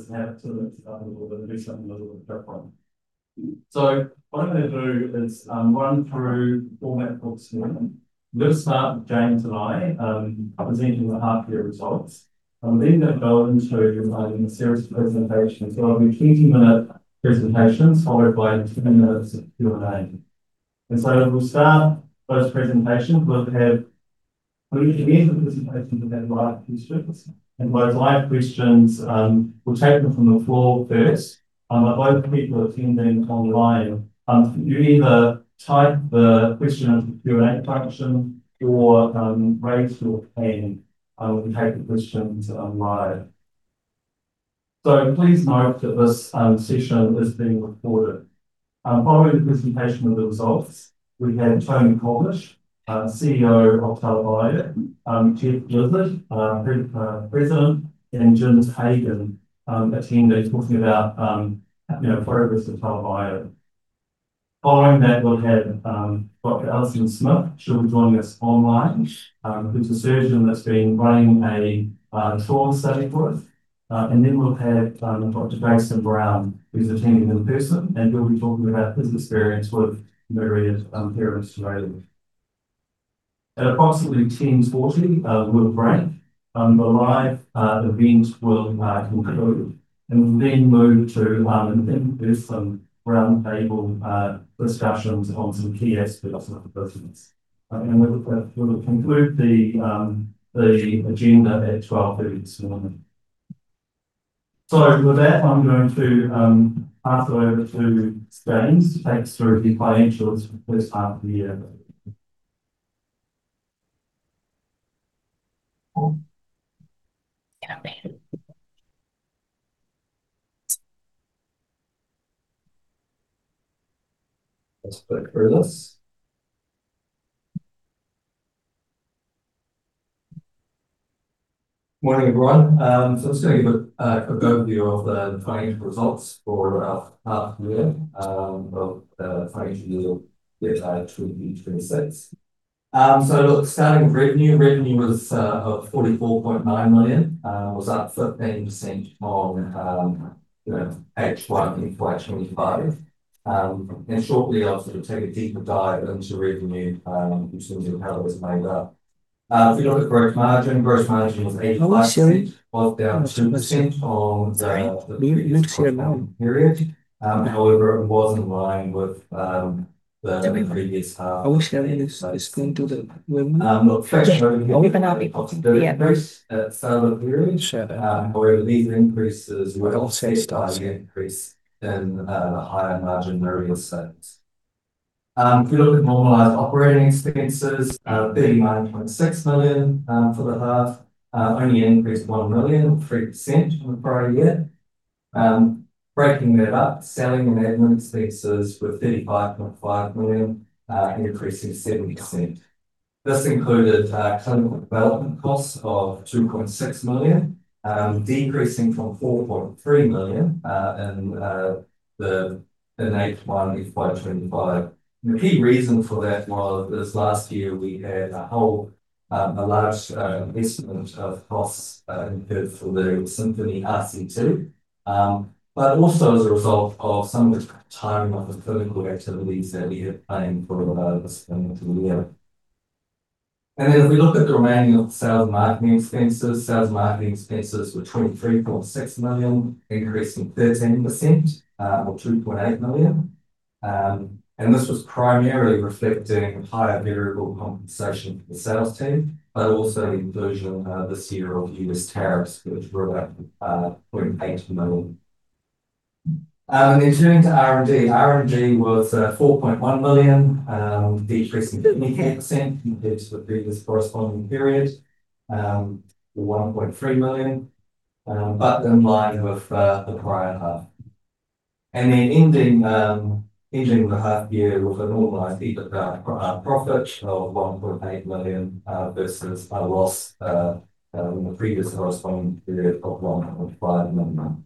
Just have to look up a little bit, do something a little bit different. What I'm going to do is run through the format books here. We'll start with James and I, presenting the half-year results. They will go into a series of presentations. There will be 20-minute presentations followed by 10 minutes of Q&A. We will start those presentations. When we begin the presentations, we will have live questions. Those live questions, we will take them from the floor first. Most people attending online, you either type the question into the Q&A function or raise your hand when we take the questions live. Please note that this session is being recorded. Following the presentation of the results, we have Tony Koblisch, CEO of Tela Bio, Jeff Blizzard, President, and Jim Hagen attending, talking about progress at Tela Bio. Following that, we will have Dr. Alison Smith. She'll be joining us online. She's a surgeon that's been running a trauma study for us. Then we'll have Dr. Jason Brown, who's attending in person, and he'll be talking about his experience with Myriad Matrix. At approximately 10:40, we'll break. The live event will conclude, and we'll then move to some roundtable discussions on some key aspects of the business. We'll conclude the agenda at 12:30 this morning. With that, I'm going to pass it over to James to take us through the financials for the first half of the year. Yeah, I'm ready. Let's go through this. Morning, everyone. I'm just going to give a quick overview of the financial results for the half-year of the financial year 2026. Look, starting with revenue, revenue was $44.9 million, was up 13% on H1 in 2025. Shortly, I'll sort of take a deeper dive into revenue in terms of how it was made up. If we look at gross margin, gross margin was 85%, was down 2% on the current period. However, it was in line with the previous half. I wish that is going to the— We're going to be— Yeah. At the start of the period, however, these increases were a slight increase in the higher margin material sales. If we look at normalized operating expenses, 39.6 million for the half, only increased 1 million, 3% from the prior year. Breaking that up, selling and admin expenses were 35.5 million, increasing 7%. This included clinical development costs of 2.6 million, decreasing from 4.3 million in H1 2025. The key reason for that was this last year, we had a large investment of costs incurred for the Symphony RCT, but also as a result of some of the timing of the clinical activities that we had planned for this year. If we look at the remaining of the sales and marketing expenses, sales and marketing expenses were 23.6 million, increasing 13% or 2.8 million. This was primarily reflecting higher variable compensation for the sales team, but also the inclusion this year of U.S. tariffs, which were up $0.8 million. Turning to R&D, R&D was $4.1 million, decreasing 52% compared to the previous corresponding period, $1.3 million, but in line with the prior half. Ending the half year with a normalized EBITDA profit of $1.8 million versus a loss in the previous corresponding period of $1.5 million.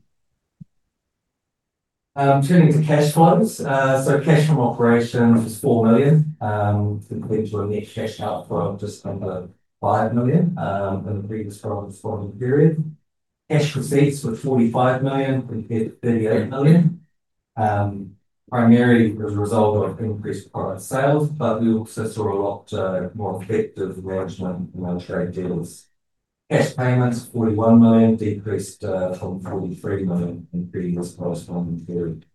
Turning to cash flows, cash from operations was $4 million, compared to a net cash outflow of just under $5 million in the previous corresponding period. Cash receipts were $45 million compared to $38 million, primarily as a result of increased product sales, but we also saw a lot more effective management and trade deals. Cash payments, $41 million, decreased from $43 million in the previous corresponding period.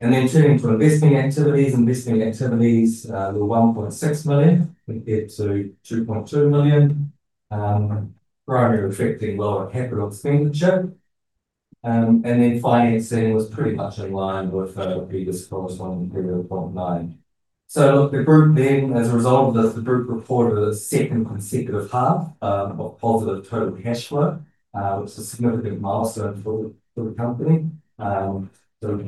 Turning to investing activities, investing activities were 1.6 million compared to 2.2 million, primarily reflecting lower capital expenditure. Financing was pretty much in line with the previous corresponding period at AUD 0.9 million. The group then, as a result of this, reported a second consecutive half of positive total cash flow, which is a significant milestone for the company.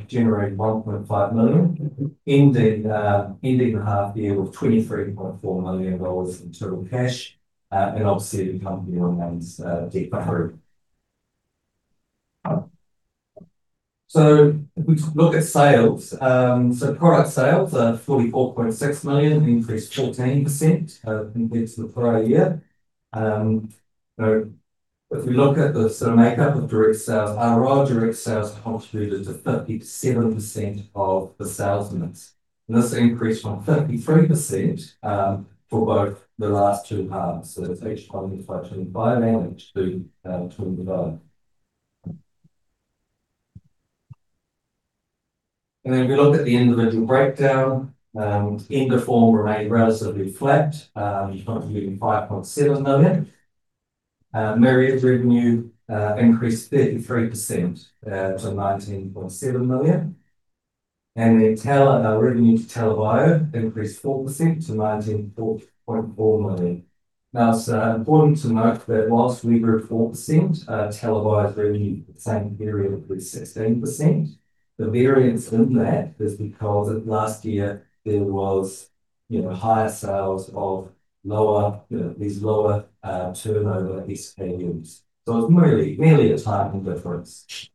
Generated 1.5 million, ending the half year with 23.4 million dollars in total cash. Obviously, the company remains debt free. If we look at sales, product sales are 44.6 million, increased 14% compared to the prior year. If we look at the sort of makeup of direct sales, Aroa direct sales contributed to 57% of the sales mix. This increased from 53% for both the last two halves, so that is H1 FY2025 and H2 FY2025. If we look at the individual breakdown, Endoform remained relatively flat, contributing 5.7 million. Myriad's revenue increased 33% to 19.7 million. Revenue to Tela Bio increased 4% to 19.4 million. It is important to note that whilst we grew 4%, Tela Bio's revenue for the same period increased 16%. The variance in that is because last year there was higher sales of these lower turnover SKUs, so it is nearly a timing difference.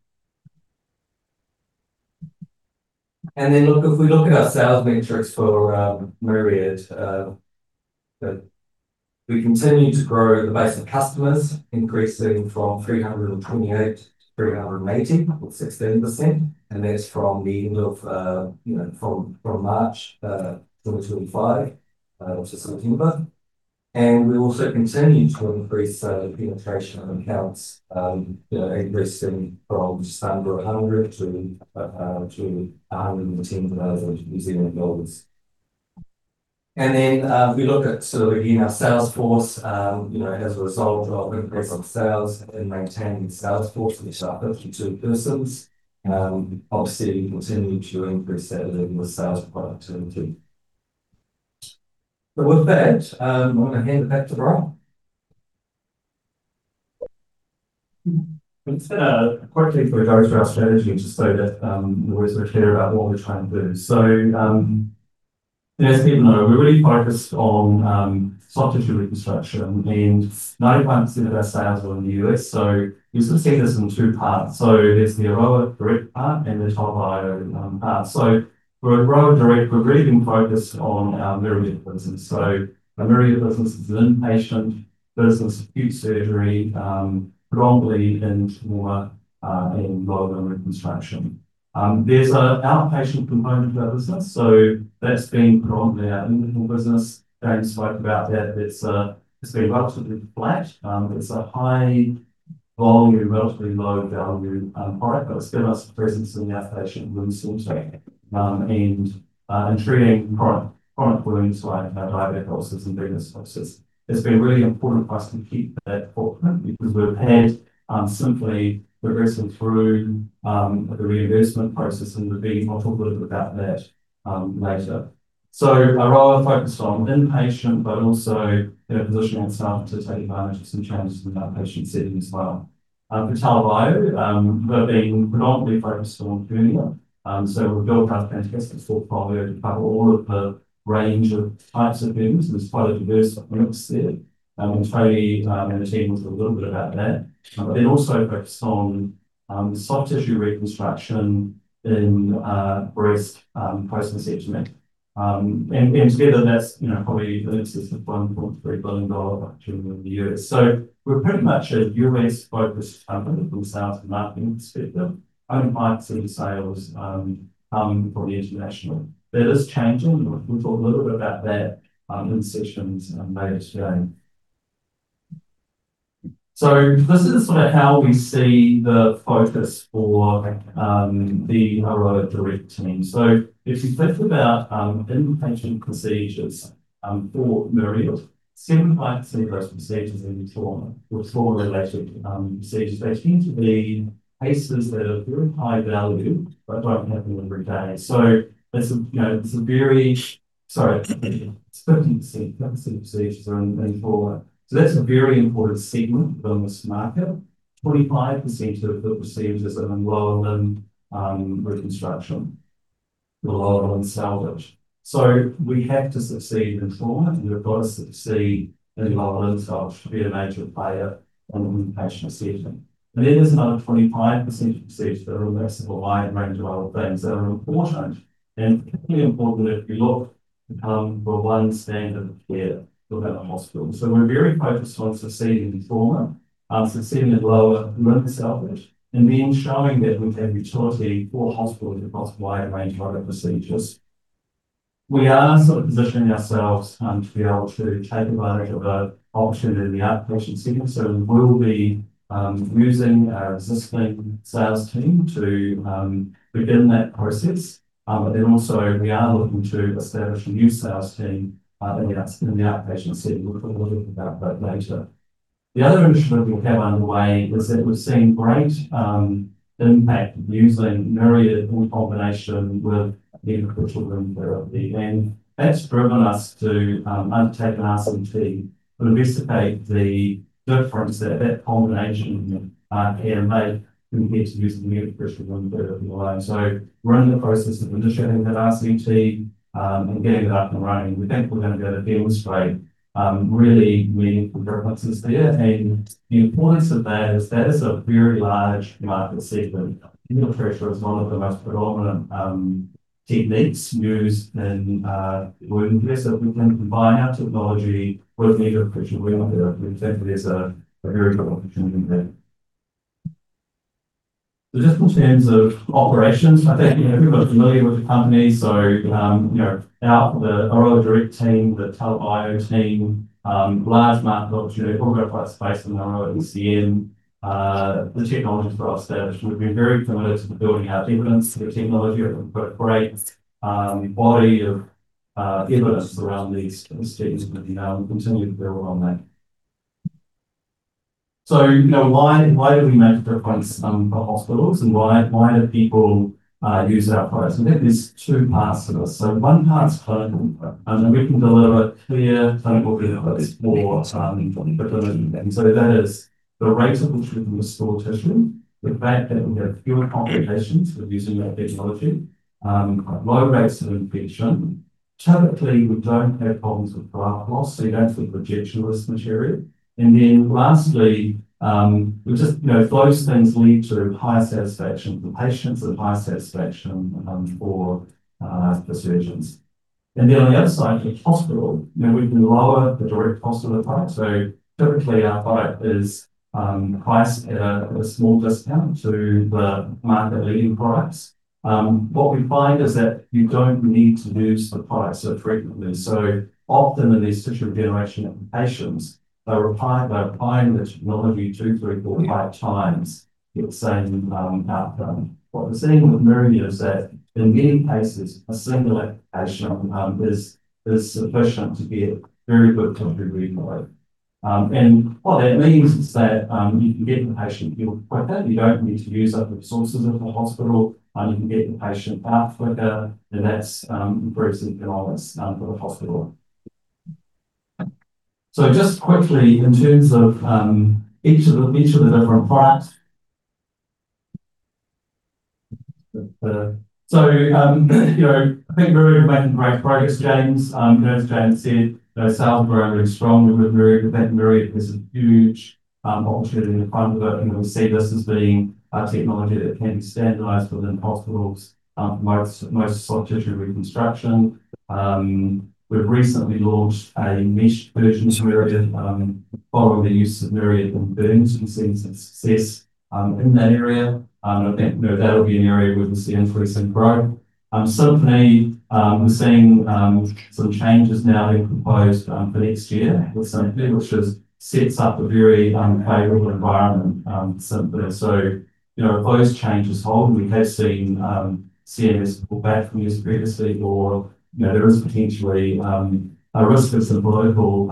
If we look at our sales metrics for Myriad, we continue to grow the base of customers, increasing from 328 to 380, 16%. That is from the end of March 2023 to September. We also continue to increase penetration of accounts, increasing from just under 100 to 110 million New Zealand dollars. If we look at sort of, again, our sales force, as a result of increasing sales and maintaining sales force, which are 52 persons, obviously we continue to increase that level of sales productivity. With that, I'm going to hand it back to Brock. It's been quite a quick year for a Director of our strategy to say that we're sort of clear about what we're trying to do. As people know, we're really focused on soft tissue reconstruction, and 95% of our sales are in the US. We've sort of seen this in two parts. There's the Aroa direct part and the Tela Bio part. For Aroa direct, we've really been focused on our Myriad business. Myriad business is an inpatient business, acute surgery, predominantly in trauma and lower limb reconstruction. There's an outpatient component to our business, so that's been predominantly our Endoform business. James spoke about that. It's been relatively flat. It's a high volume, relatively low value product, but it's given us a presence in the outpatient wound surgery and treating chronic wounds like diabetic ulcers and venous ulcers. It's been really important for us to keep that footprint because we've had simply progressing through the reimbursement process and the fee. I'll talk a little bit about that later. Aroa focused on inpatient, but also positioning itself to take advantage of some changes in the outpatient setting as well. For Tela Bio, we've been predominantly focused on hernia. We've built our fantastic portfolio to cover all of the range of types of hernia. There's quite a diverse mix there. Tony and the team will talk a little bit about that. Also focused on soft tissue reconstruction in breast post-conceitement. Together, that's probably in excess of $1.3 billion in the US. We're pretty much a US-focused company from a sales and marketing perspective. Own pipes and sales come from the international. That is changing. We'll talk a little bit about that in sessions later today. This is sort of how we see the focus for the Aroa direct team. If you think about inpatient procedures for Myriad, 75% of those procedures are in trauma. They're trauma-related procedures. They tend to be cases that are very high value, but don't happen every day. It's a very—sorry, it's 50% of procedures are in trauma. That's a very important segment within this market. 25% of the procedures are in lower limb reconstruction, lower limb salvage. We have to succeed in trauma, and we've got to succeed in lower limb salvage to be a major player in the inpatient setting. That is another 25% of procedures that are a massive wide range of other things that are important. Particularly important if we look for one standard of care within a hospital. We are very focused on succeeding in trauma, succeeding in lower limb salvage, and then showing that we have utility for hospitals across a wide range of other procedures. We are sort of positioning ourselves to be able to take advantage of the opportunity in the outpatient setting. We will be using our existing sales team to begin that process. We are also looking to establish a new sales team in the outpatient setting. We will talk a little bit about that later. The other initiative we have underway is that we have seen great impact using Myriad in combination with neonatal children's therapy. That has driven us to undertake an RCT to investigate the difference that that combination can make compared to using neonatal children's therapy alone. We are in the process of initiating that RCT and getting it up and running. We think we're going to be able to demonstrate really meaningful differences there. The importance of that is that is a very large market segment. Needle pressure is one of the most predominant techniques used in wound care. If we can combine our technology with needle pressure wound care, we think there's a very good opportunity there. Just in terms of operations, I think everyone's familiar with the company. The Aroa direct team, the Tela Bio team, large market opportunity. We've got quite space in Aroa ECM. The technologies that I've established will be very similar to the building out evidence for the technology. We've got a great body of evidence around these things, and we'll continue to build on that. Why do we make a difference for hospitals? Why do people use our products? I think there's two parts to this. One part's clinical, and we can deliver clear clinical evidence for fertility. That is the rate at which we can restore tissue, the fact that we have fewer complications with using that technology, low rates of infection. Typically, we do not have problems with graft loss, so you do not see projectious material. Lastly, those things lead to higher satisfaction for patients and higher satisfaction for surgeons. On the other side of the hospital, we can lower the direct cost of the product. Typically, our product is priced at a small discount to the market-leading products. What we find is that you do not need to use the product so frequently. Often in these tissue generation applications, they are applying the technology two, three, four, five times for the same outcome. What we're seeing with Myriad is that in many cases, a single application is sufficient to get very good copy replay. And what that means is that you can get the patient healed quicker. You don't need to use up resources at the hospital. You can get the patient out quicker, and that's increasingly anonymous for the hospital. Just quickly, in terms of each of the different products. I think Myriad has made some great progress, James. As James said, sales were only strong with Myriad. We think Myriad is a huge opportunity in the fund. We see this as being a technology that can be standardized within hospitals, most soft tissue reconstruction. We've recently launched a mesh version of Myriad following the use of Myriad in burns. We've seen some success in that area. I think that'll be an area where we see increasing growth. Certainly, we're seeing some changes now being proposed for next year with something which sets up a very favorable environment. If those changes hold, and we have seen CMS pull back from years previously, or there is potentially a risk of some political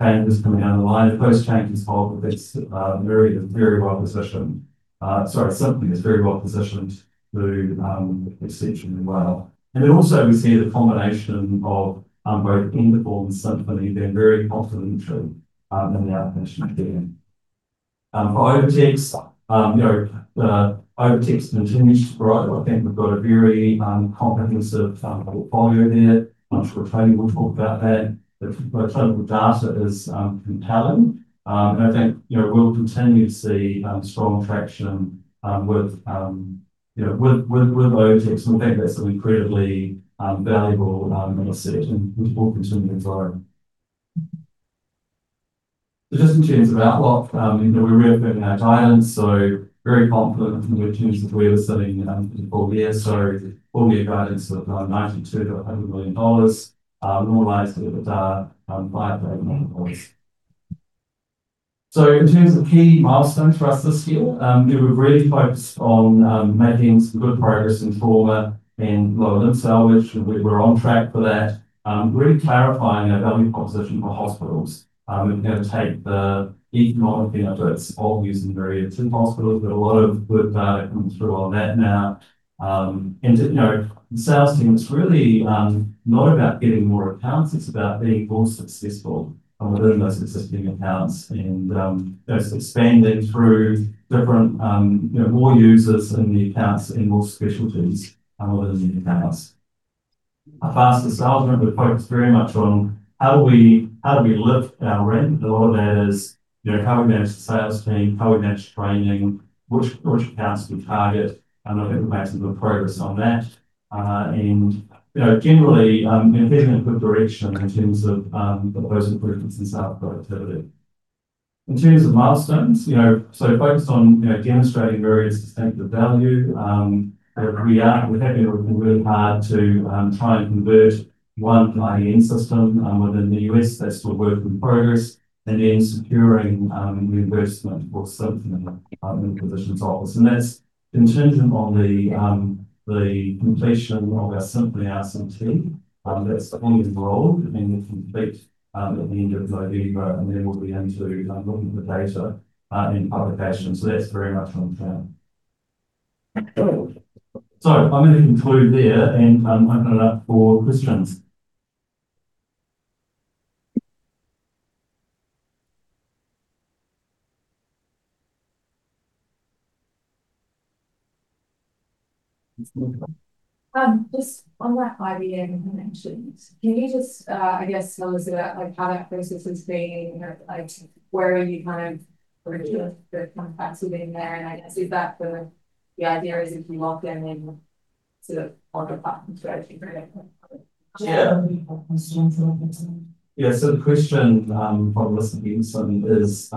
changes coming down the line. If those changes hold, Symphony is very well positioned to succeed really well. We also see the combination of both Endoform and Symphony being very confidential in the outpatient setting. For OviTex, the OviTex continues to grow. I think we've got a very comprehensive portfolio there. I'm sure Tony will talk about that. The clinical data is compelling. I think we'll continue to see strong traction with OviTex. We think that's an incredibly valuable asset, and we'll continue to grow. Just in terms of outlook, we're reopening our guidance. Very confident in terms of where we're sitting for the full year. We'll be at guidance with $92 million-$100 million, normalized at $5 billion. In terms of key milestones for us this year, we were really focused on making some good progress in trauma and lower limb salvage. We're on track for that. Really clarifying our value proposition for hospitals. We're going to take the economic benefits of using Myriad to hospitals. We've got a lot of good data coming through on that now. The sales team is really not about getting more accounts. It's about being more successful within those existing accounts and expanding through more users in the accounts and more specialties within the accounts. Our fastest sales, we're focused very much on how do we lift our rent. A lot of that is how we manage the sales team, how we manage training, which accounts we target. I think we're making good progress on that. Generally, we're heading in a good direction in terms of those improvements in sales productivity. In terms of milestones, focused on demonstrating various sustainable value. We've had to work really hard to try and convert one IDN system within the US. That's still a work in progress. Securing reimbursement for Symphony in the physician's office, and that's in terms of the completion of our Symphony RCT. That's on the road. I think we'll complete at the end of November, and then we'll be into looking at the data and publication. That's very much on track. I'm going to conclude there and open it up for questions. Just on that IBM you mentioned, can you just, I guess, tell us about how that process has been? Where are you kind of original backseating there? I see that the idea is if you lock in and sort of on the platform strategy. Yeah. Yeah. The question from listening is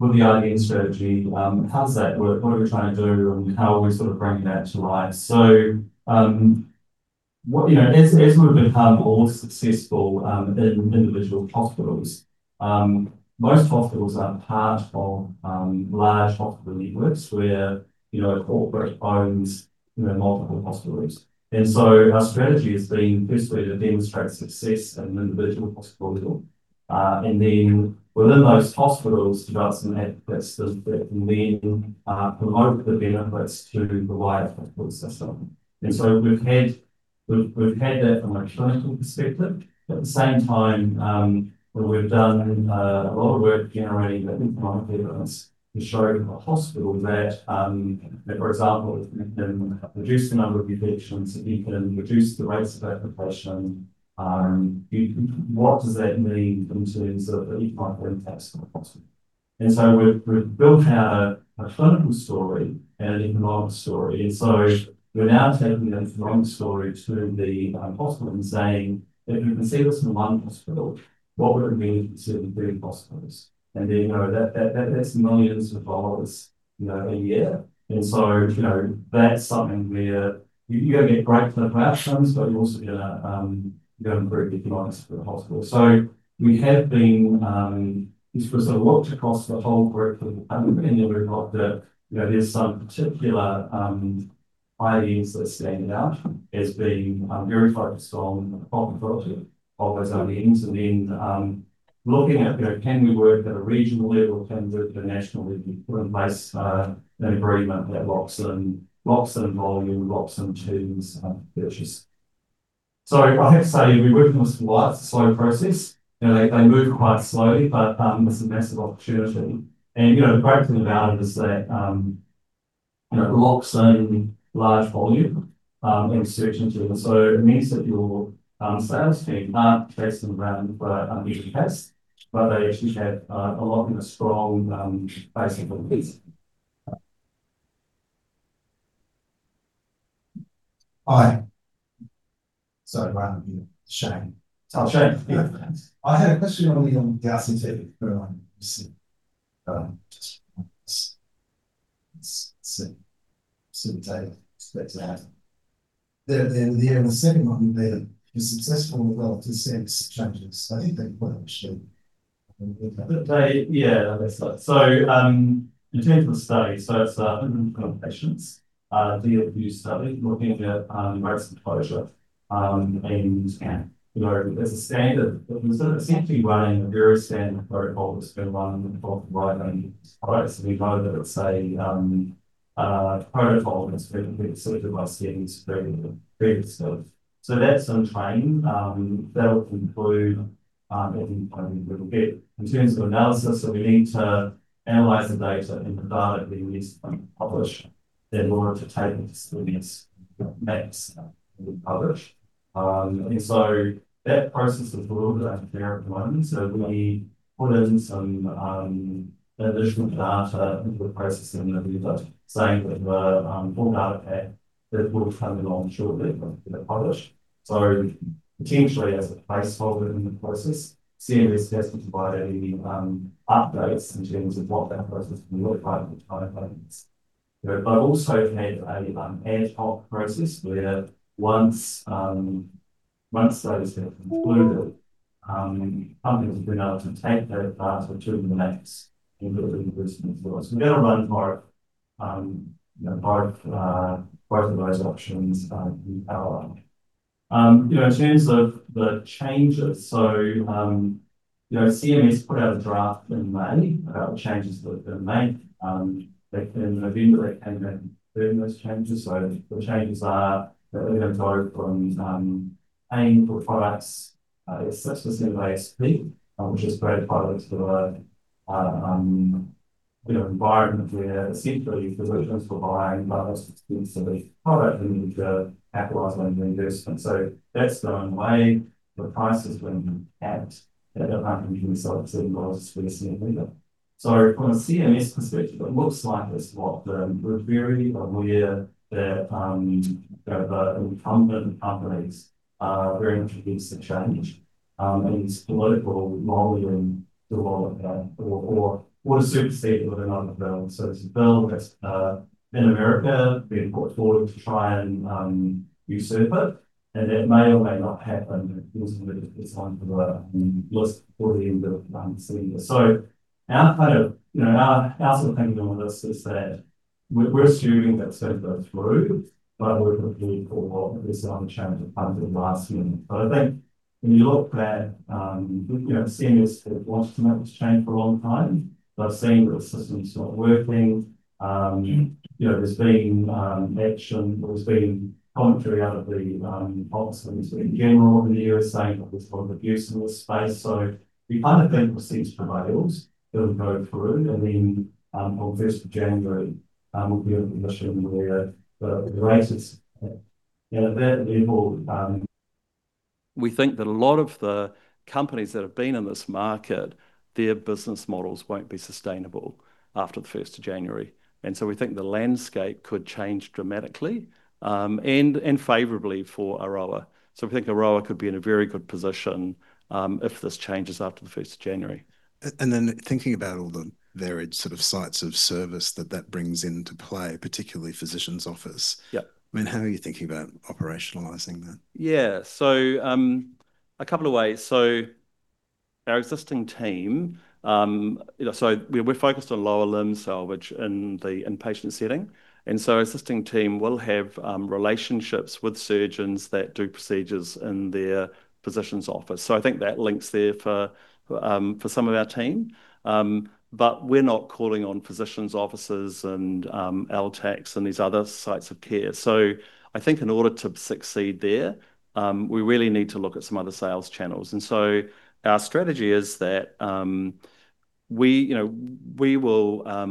with the IBM strategy, how's that work? What are we trying to do and how are we sort of bringing that to life? As we've become more successful in individual hospitals, most hospitals are part of large hospital networks where a corporate owns multiple hospitals. Our strategy has been firstly to demonstrate success in an individual hospital. Within those hospitals, develop some advocates that can then promote the benefits to the wider hospital system. We've had that from a clinical perspective. At the same time, we've done a lot of work generating the economic evidence to show to the hospital that, for example, if you can reduce the number of infections, if you can reduce the rates of application, what does that mean in terms of the economic impacts for the hospital? We have built out a clinical story and an economic story. We are now taking that economic story to the hospital and saying, "If you can see this in one hospital, what would it mean if you can see it in three hospitals?" That is millions of dollars a year. That is something where you are going to get great clinical outcomes, but you are also going to improve the economics for the hospital. We have been sort of looked across the whole growth of the company. We have looked at there are some particular IDNs that stand out as being very focused on profitability of those IDNs. Then looking at, can we work at a regional level? Can we work at a national level? Put in place an agreement that locks in volume, locks in terms of purchase. I have to say we've worked on this for quite a slow process. They move quite slowly, but it's a massive opportunity. The great thing about it is that it locks in large volume and certainty. It means that your sales team aren't chasing around for a bigger case, but they actually have a lot of strong basic beliefs. Hi. Sorry, Brian. Shane. Oh, Shane. I had a question on the RCT. Just see the data. The second one would be successful with all consensus changes. I think they've put it actually. Yeah, I guess so. In terms of the study, it's 120 patients, DLQ study looking at emergency closure. There's a standard that we're essentially running, a very standard protocol that's been running across a wide range of products. We know that it's a protocol that's been accepted by CMS previously. That's on training. That'll include everything we will get in terms of analysis. We need to analyze the data and the data being used to publish. They're more to take into seriousness than we publish. That process is a little bit unclear at the moment. We put in some additional data into the processing, saying that we're a full data pack that will come along shortly when we publish. Potentially as a placeholder in the process, CMS hasn't provided any updates in terms of what that process can look like at the time. Also, there had been an ad hoc process where once those have concluded, companies have been able to take that data to the next and get reimbursement as well. We're going to run both of those options in our line. In terms of the changes, CMS put out a draft in May about the changes that have been made. In November, they came back and confirmed those changes. The changes are that we're going to go from paying for products at 6% of ASP, which is very popular to the environment where essentially physicians were buying products at 6% of the product and need to capitalize on the reimbursement. That's going away. The price has been capped at $127 a square centimeter. From a CMS perspective, it looks like this a lot. We're very aware that the incumbent companies are very much against the change. It's political volume to all of that or to supersede it with another bill. It's a bill that's in America being put forward to try and usurp it. That may or may not happen in terms of it's onto the list before the end of the semester. Our kind of our sort of thinking on this is that we're assuming that it's going to go through, but we're prepared for this change of funds at the last minute. I think when you look at CMS that want to make this change for a long time, they've seen that the system's not working. There's been action. There's been commentary out of the hospitals, in general, over the years saying that there's a lot of abuse in this space. We kind of think the seeds prevailed. It'll go through. On 1st of January, we'll be in a position where the rate is. And at that level. We think that a lot of the companies that have been in this market, their business models won't be sustainable after the 1st of January. We think the landscape could change dramatically and favorably for Aroa. We think Aroa could be in a very good position if this changes after the 1st of January. Thinking about all the varied sort of sites of service that that brings into play, particularly physician's office, I mean, how are you thinking about operationalizing that? Yeah. A couple of ways. Our existing team, we're focused on lower limb salvage in the inpatient setting. Our existing team will have relationships with surgeons that do procedures in their physician's office. I think that links there for some of our team. We're not calling on physician's offices and LTACs and these other sites of care. I think in order to succeed there, we really need to look at some other sales channels. Our strategy is that we will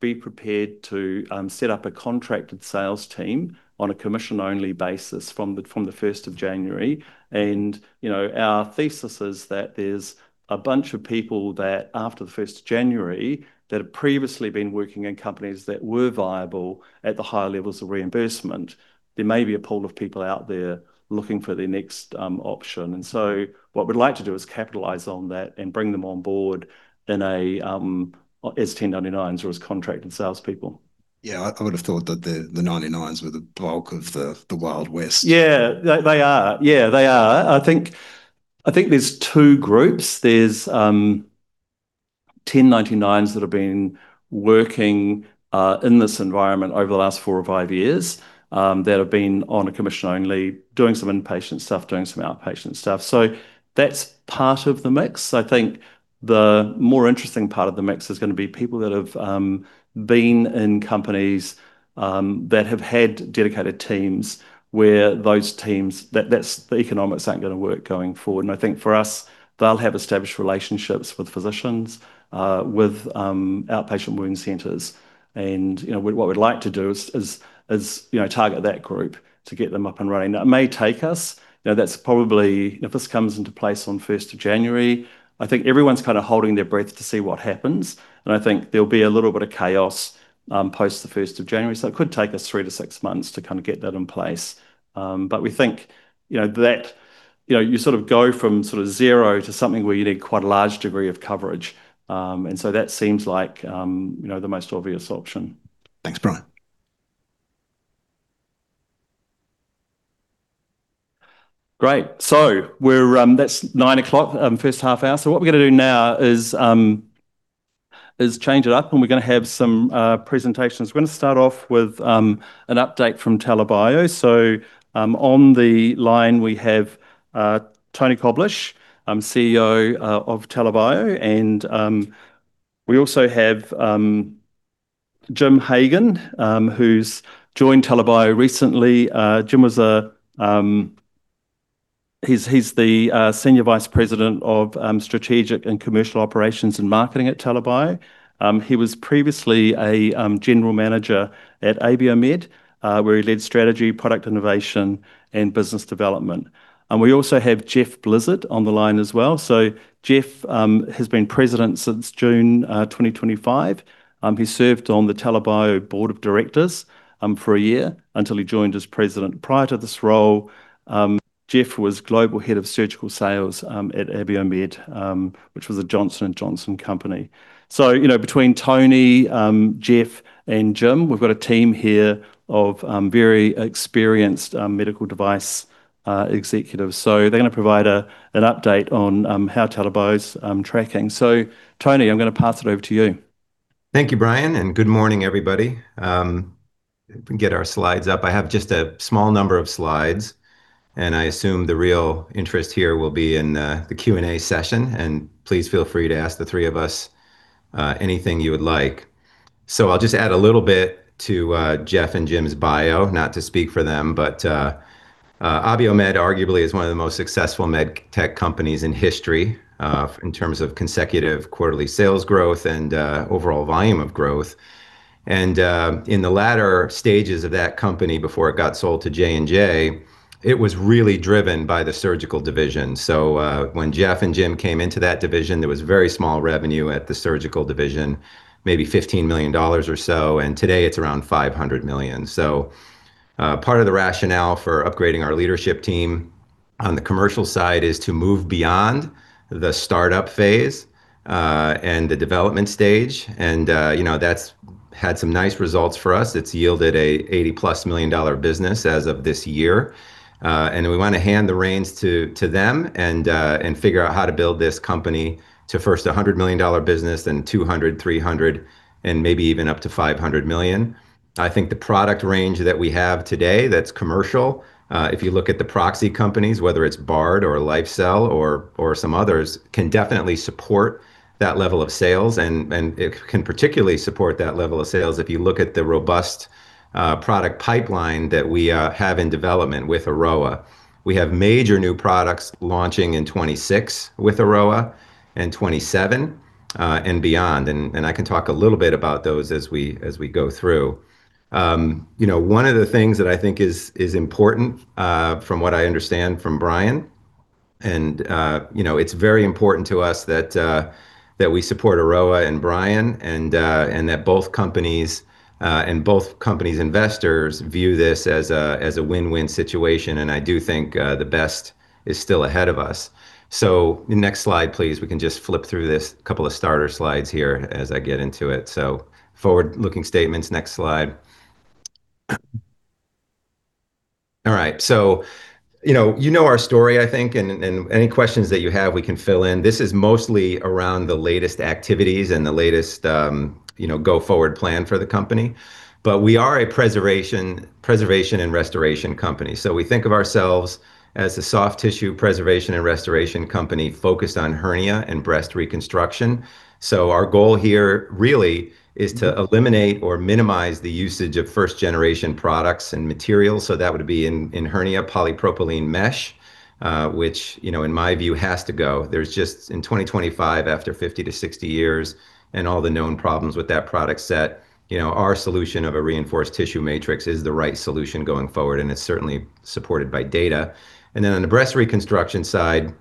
be prepared to set up a contracted sales team on a commission-only basis from the 1st of January. Our thesis is that there's a bunch of people that after the 1st of January that have previously been working in companies that were viable at the higher levels of reimbursement, there may be a pool of people out there looking for their next option. What we'd like to do is capitalize on that and bring them on board as 1099s or as contracted salespeople. Yeah. I would have thought that the 99s were the bulk of the Wild West. Yeah. They are. Yeah, they are. I think there's two groups. There's 1099s that have been working in this environment over the last four or five years that have been on a commission-only, doing some inpatient stuff, doing some outpatient stuff. That's part of the mix. I think the more interesting part of the mix is going to be people that have been in companies that have had dedicated teams where those teams, that's the economics aren't going to work going forward. I think for us, they'll have established relationships with physicians, with outpatient wound centershat we'd like to do is target that group to get them up and running. That may take us, that's probably if this comes into place on 1st of January, I think everyone's kind of holding their breath to see what happens. I think there'll be a little bit of chaos post the 1st of January. It could take us three to six months to kind of get that in place. We think that you sort of go from sort of zero to something where you need quite a large degree of coverage. That seems like the most obvious option. Thanks, Brian. Great. That's 9:00, first half hour. What we're going to do now is change it up, and we're going to have some presentations. We're going to start off with an update from Tela Bio. On the line, we have Tony Koblisch, CEO of Tela Bio. We also have Jim Hagan, who's joined Tela Bio recently. Jim is the Senior Vice President of Strategic and Commercial Operations and Marketing at Tela Bio. He was previously a General Manager at Acelllity, where he led strategy, product innovation, and business development. We also have Jeff Blizzard on the line as well. Jeff has been President since June 2025. He served on the Tela Bio Board of Directors for a year until he joined as President. Prior to this role, Jeff was Global Head of Surgical Sales at Acelllity, which was a Johnson & Johnson company. Between Tony, Jeff, and Jim, we've got a team here of very experienced medical device executives. They're going to provide an update on how Tela Bio's tracking. Tony, I'm going to pass it over to you. Thank you, Brian. Good morning, everybody. We can get our slides up. I have just a small number of slides, and I assume the real interest here will be in the Q&A session. Please feel free to ask the three of us anything you would like. I'll just add a little bit to Jeff and Jim's bio, not to speak for them. ABO Med arguably is one of the most successful med tech companies in history in terms of consecutive quarterly sales growth and overall volume of growth. In the latter stages of that company before it got sold to J&J, it was really driven by the surgical division. When Jeff and Jim came into that division, there was very small revenue at the surgical division, maybe $15 million or so. Today it's around $500 million. Part of the rationale for upgrading our leadership team on the commercial side is to move beyond the startup phase and the development stage. That has had some nice results for us. It has yielded an $80-plus million business as of this year. We want to hand the reins to them and figure out how to build this company to first a $100 million business, then 200, 300, and maybe even up to $500 million. I think the product range that we have today that is commercial, if you look at the proxy companies, whether it is Bard or Lifecell or some others, can definitely support that level of sales. It can particularly support that level of sales if you look at the robust product pipeline that we have in development with Aroa. We have major new products launching in 2026 with Aroa and 2027 and beyond. I can talk a little bit about those as we go through. One of the things that I think is important from what I understand from Brian, and it's very important to us that we support Aroa and Brian and that both companies and both companies' investors view this as a win-win situation. I do think the best is still ahead of us. Next slide, please. We can just flip through this couple of starter slides here as I get into it. Forward-looking statements. Next slide. All right. You know our story, I think. Any questions that you have, we can fill in. This is mostly around the latest activities and the latest go-forward plan for the company. We are a preservation and restoration company. We think of ourselves as a soft tissue preservation and restoration company focused on hernia and breast reconstruction. Our goal here really is to eliminate or minimize the usage of first-generation products and materials. That would be in hernia polypropylene mesh, which, in my view, has to go. In 2025, after 50 to 60 years and all the known problems with that product set, our solution of a reinforced tissue matrix is the right solution going forward. It is certainly supported by data. On the breast reconstruction side,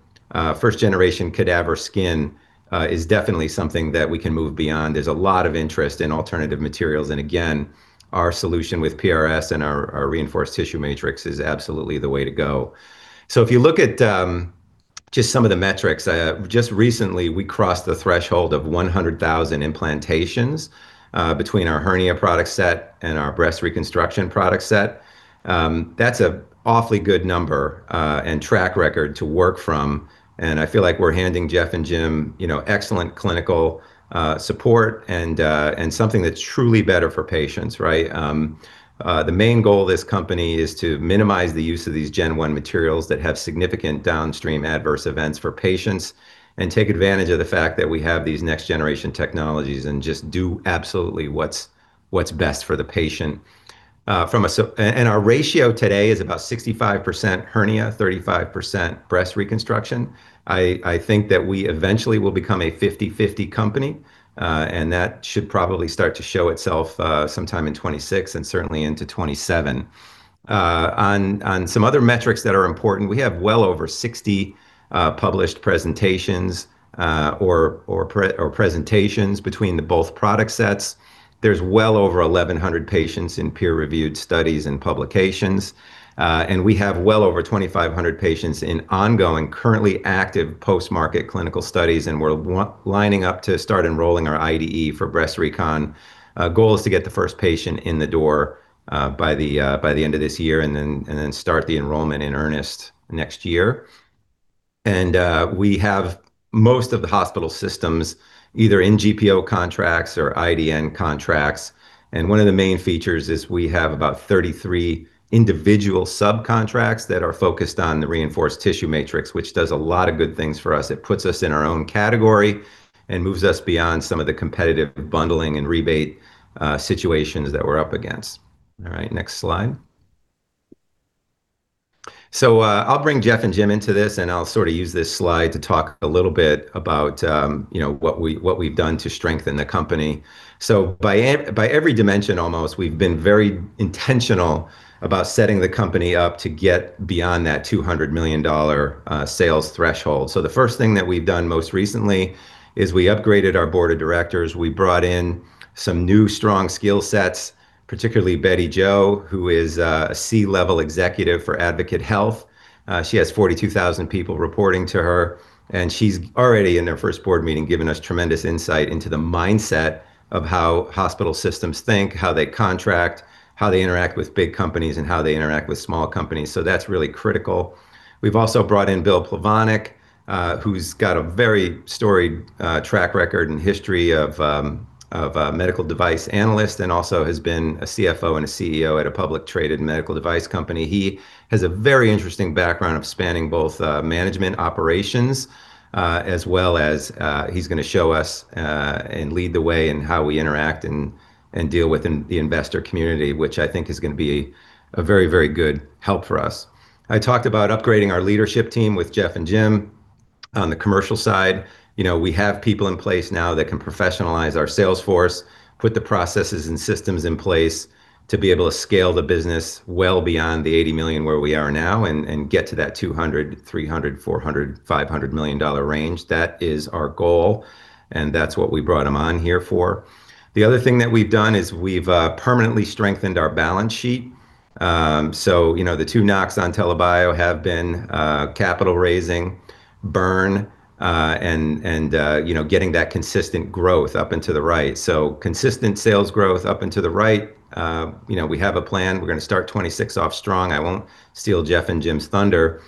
first-generation cadaver skin is definitely something that we can move beyond. There is a lot of interest in alternative materials. Again, our solution with PRS and our reinforced tissue matrix is absolutely the way to go. If you look at just some of the metrics, just recently, we crossed the threshold of 100,000 implantations between our hernia product set and our breast reconstruction product set. That's an awfully good number and track record to work from. I feel like we're handing Jeff and Jim excellent clinical support and something that's truly better for patients, right? The main goal of this company is to minimize the use of these Gen1 materials that have significant downstream adverse events for patients and take advantage of the fact that we have these next-generation technologies and just do absolutely what's best for the patient. Our ratio today is about 65% hernia, 35% breast reconstruction. I think that we eventually will become a 50/50 company, and that should probably start to show itself sometime in 2026 and certainly into 2027. On some other metrics that are important, we have well over 60 published presentations or presentations between the both product sets. There's well over 1,100 patients in peer-reviewed studies and publications. We have well over 2,500 patients in ongoing, currently active post-market clinical studies. We're lining up to start enrolling our IDE for breast recon. The goal is to get the first patient in the door by the end of this year and then start the enrollment in earnest next year. We have most of the hospital systems either in GPO contracts or IDN contracts. One of the main features is we have about 33 individual subcontracts that are focused on the reinforced tissue matrix, which does a lot of good things for us. It puts us in our own category and moves us beyond some of the competitive bundling and rebate situations that we're up against. All right. Next slide. I'll bring Jeff and Jim into this, and I'll sort of use this slide to talk a little bit about what we've done to strengthen the company. By every dimension, almost, we've been very intentional about setting the company up to get beyond that $200 million sales threshold. The first thing that we've done most recently is we upgraded our board of directors. We brought in some new strong skill sets, particularly Betty Joe, who is a C-level executive for Advocate Health. She has 42,000 people reporting to her. She is already in their first board meeting, giving us tremendous insight into the mindset of how hospital systems think, how they contract, how they interact with big companies, and how they interact with small companies. That is really critical. We have also brought in Bill Plovnic, who has a very storied track record and history as a medical device analyst and also has been a CFO and a CEO at a publicly traded medical device company. He has a very interesting background spanning both management operations as well as he is going to show us and lead the way in how we interact and deal with the investor community, which I think is going to be a very, very good help for us. I talked about upgrading our leadership team with Jeff and Jim on the commercial side. We have people in place now that can professionalize our salesforce, put the processes and systems in place to be able to scale the business well beyond the $80 million where we are now and get to that $200 million, $300 million, $400 million, $500 million dollar range. That is our goal, and that's what we brought them on here for. The other thing that we've done is we've permanently strengthened our balance sheet. The two knocks on Tela Bio have been capital raising, burn, and getting that consistent growth up into the right. Consistent sales growth up into the right. We have a plan. We're going to start 2026 off strong. I won't steal Jeff and Jim's thunder.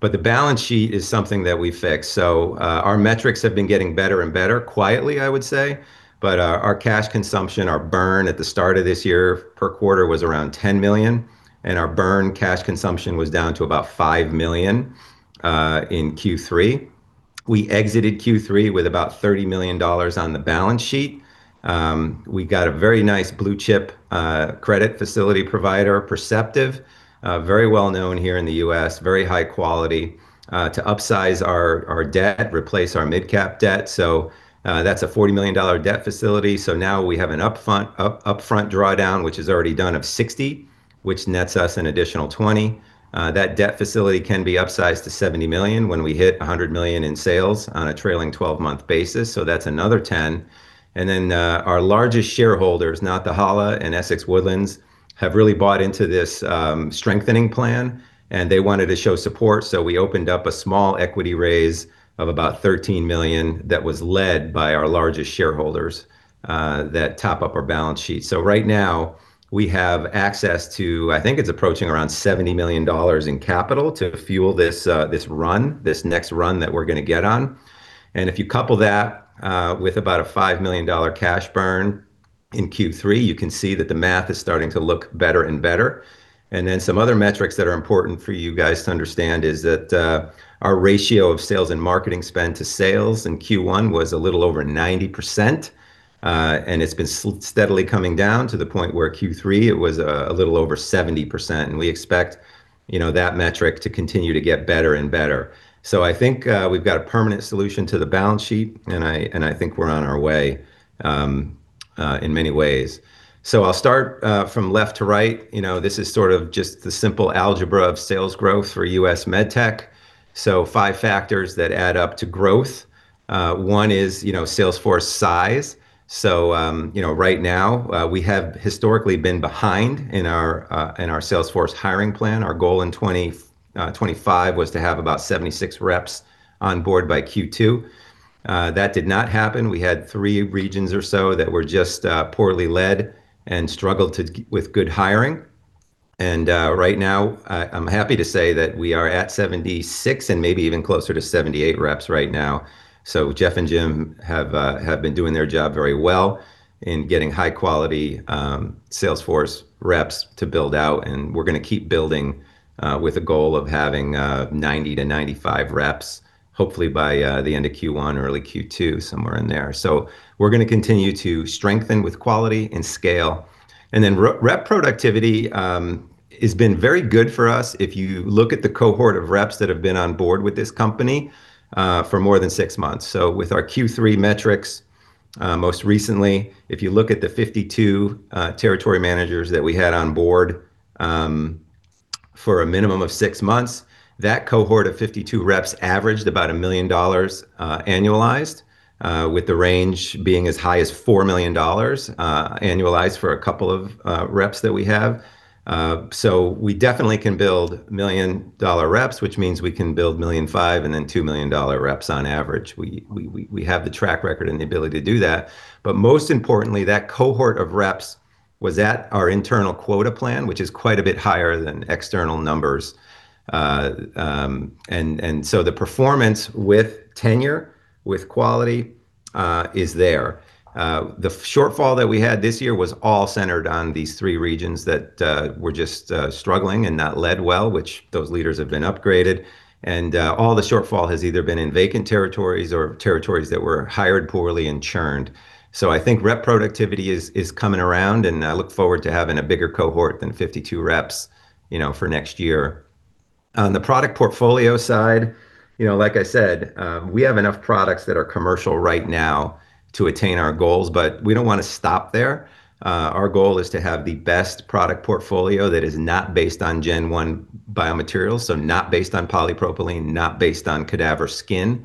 The balance sheet is something that we fix. Our metrics have been getting better and better, quietly, I would say. Our cash consumption, our burn at the start of this year per quarter was around $10 million. Our burn cash consumption was down to about $5 million in Q3. We exited Q3 with about $30 million on the balance sheet. We got a very nice blue chip credit facility provider, Perceptive, very well known here in the US, very high quality to upsize our debt, replace our mid-cap debt. That is a $40 million debt facility. Now we have an upfront drawdown, which is already done of $60 million, which nets us an additional $20 million. That debt facility can be upsized to $70 million when we hit $100 million in sales on a trailing 12-month basis. That is another $10 million. Our largest shareholders, not H.I.G. Capital and Essex Woodlands, have really bought into this strengthening plan, and they wanted to show support. We opened up a small equity raise of about $13 million that was led by our largest shareholders that top up our balance sheet. Right now, we have access to, I think it's approaching around $70 million in capital to fuel this run, this next run that we're going to get on. If you couple that with about a $5 million cash burn in Q3, you can see that the math is starting to look better and better. Some other metrics that are important for you guys to understand is that our ratio of sales and marketing spend to sales in Q1 was a little over 90%. It's been steadily coming down to the point where Q3 it was a little over 70%. We expect that metric to continue to get better and better. I think we've got a permanent solution to the balance sheet, and I think we're on our way in many ways. I'll start from left to right. This is sort of just the simple algebra of sales growth for US med tech. Five factors that add up to growth. One is Salesforce size. Right now, we have historically been behind in our Salesforce hiring plan. Our goal in 2025 was to have about 76 reps on board by Q2. That did not happen. We had three regions or so that were just poorly led and struggled with good hiring. Right now, I'm happy to say that we are at 76 and maybe even closer to 78 reps right now. Jeff and Jim have been doing their job very well in getting high-quality Salesforce reps to build out. We are going to keep building with a goal of having 90-95 reps, hopefully by the end of Q1 or early Q2, somewhere in there. We are going to continue to strengthen with quality and scale. Rep productivity has been very good for us if you look at the cohort of reps that have been on board with this company for more than six months. With our Q3 metrics, most recently, if you look at the 52 territory managers that we had on board for a minimum of six months, that cohort of 52 reps averaged about $1 million annualized, with the range being as high as $4 million annualized for a couple of reps that we have. We definitely can build million-dollar reps, which means we can build million-five and then $2 million reps on average. We have the track record and the ability to do that. Most importantly, that cohort of reps was at our internal quota plan, which is quite a bit higher than external numbers. The performance with tenure, with quality is there. The shortfall that we had this year was all centered on these three regions that were just struggling and not led well, which those leaders have been upgraded. All the shortfall has either been in vacant territories or territories that were hired poorly and churned. I think rep productivity is coming around, and I look forward to having a bigger cohort than 52 reps for next year. On the product portfolio side, like I said, we have enough products that are commercial right now to attain our goals, but we do not want to stop there. Our goal is to have the best product portfolio that is not based on Gen1 biomaterials, so not based on polypropylene, not based on cadaver skin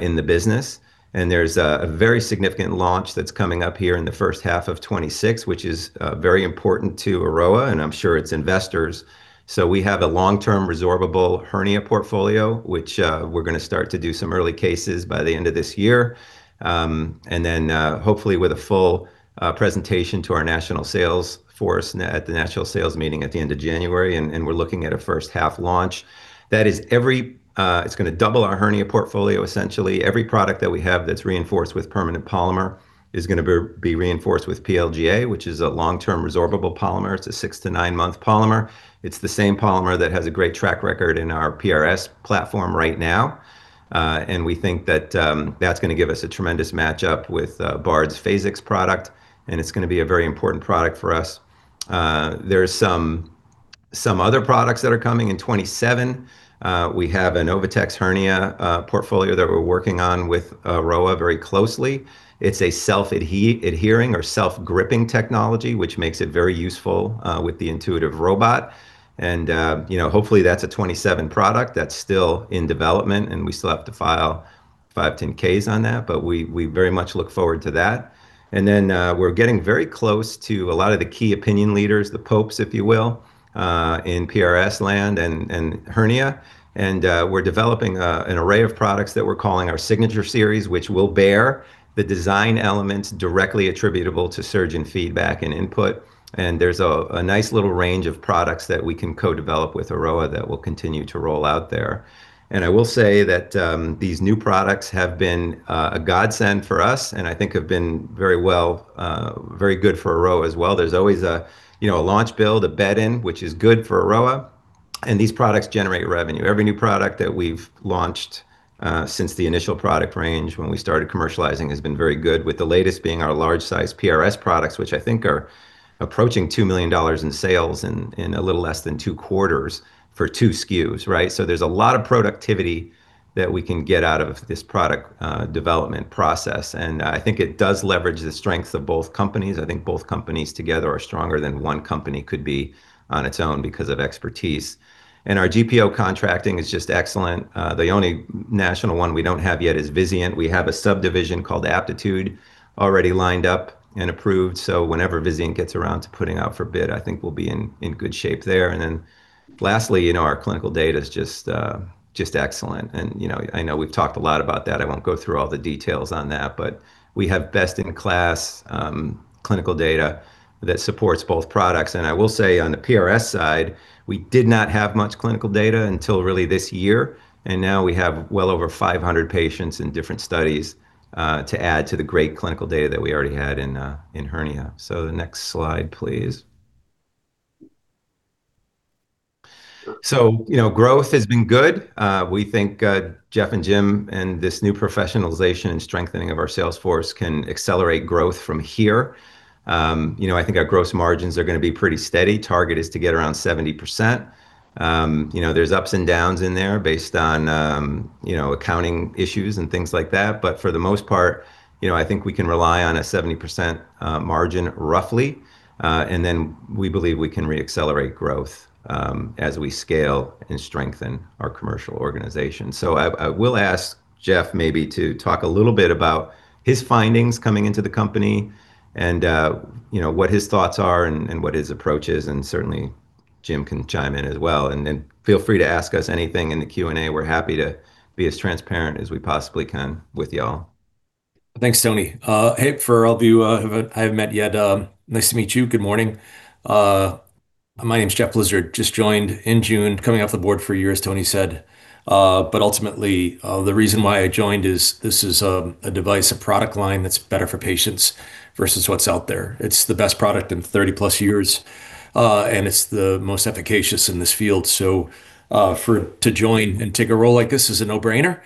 in the business. There is a very significant launch that is coming up here in the first half of 2026, which is very important to Aroa, and I am sure its investors. We have a long-term resorbable hernia portfolio, which we are going to start to do some early cases by the end of this year. Hopefully, with a full presentation to our national sales force at the national sales meeting at the end of January, we are looking at a first-half launch. That is going to double our hernia portfolio, essentially. Every product that we have that is reinforced with permanent polymer is going to be reinforced with PLGA, which is a long-term resorbable polymer. It is a six to nine-month polymer. It's the same polymer that has a great track record in our PRS platform right now. We think that that's going to give us a tremendous matchup with Bard's Phasix product, and it's going to be a very important product for us. There are some other products that are coming. In 2027, we have an OviTex hernia portfolio that we're working on with Aroa very closely. It's a self-adhering or self-gripping technology, which makes it very useful with the Intuitive robot. Hopefully that's a 2027 product that's still in development, and we still have to file 510(k)s on that, but we very much look forward to that. We're getting very close to a lot of the key opinion leaders, the popes, if you will, in PRS land and hernia. We're developing an array of products that we're calling our signature series, which will bear the design elements directly attributable to surgeon feedback and input. There's a nice little range of products that we can co-develop with Aroa that we'll continue to roll out there. I will say that these new products have been a godsend for us and I think have been very good for Aroa as well. There's always a launch build, a bed in, which is good for Aroa. These products generate revenue. Every new product that we've launched since the initial product range when we started commercializing has been very good, with the latest being our large-sized PRS products, which I think are approaching $2 million in sales in a little less than two quarters for two SKUs, right? There is a lot of productivity that we can get out of this product development process. I think it does leverage the strength of both companies. I think both companies together are stronger than one company could be on its own because of expertise. Our GPO contracting is just excellent. The only national one we do not have yet is Vizient. We have a subdivision called Aptitude already lined up and approved. Whenever Vizient gets around to putting out for bid, I think we will be in good shape there. Lastly, our clinical data is just excellent. I know we have talked a lot about that. I will not go through all the details on that, but we have best-in-class clinical data that supports both products. I will say on the PRS side, we did not have much clinical data until really this year. We have well over 500 patients in different studies to add to the great clinical data that we already had in hernia. The next slide, please. Growth has been good. We think Jeff and Jim and this new professionalization and strengthening of our Salesforce can accelerate growth from here. I think our gross margins are going to be pretty steady. Target is to get around 70%. There are ups and downs in there based on accounting issues and things like that. For the most part, I think we can rely on a 70% margin roughly. We believe we can re-accelerate growth as we scale and strengthen our commercial organization. I will ask Jeff maybe to talk a little bit about his findings coming into the company and what his thoughts are and what his approach is. Certainly, Jim can chime in as well. Feel free to ask us anything in the Q&A. We're happy to be as transparent as we possibly can with y'all. Thanks, Tony. Hey, for all of you I haven't met yet. Nice to meet you. Good morning. My name's Jeff Blizzard. Just joined in June, coming off the board for a year, as Tony said. Ultimately, the reason why I joined is this is a device, a product line that's better for patients versus what's out there. It's the best product in 30 plus years, and it's the most efficacious in this field. To join and take a role like this is a no-brainer.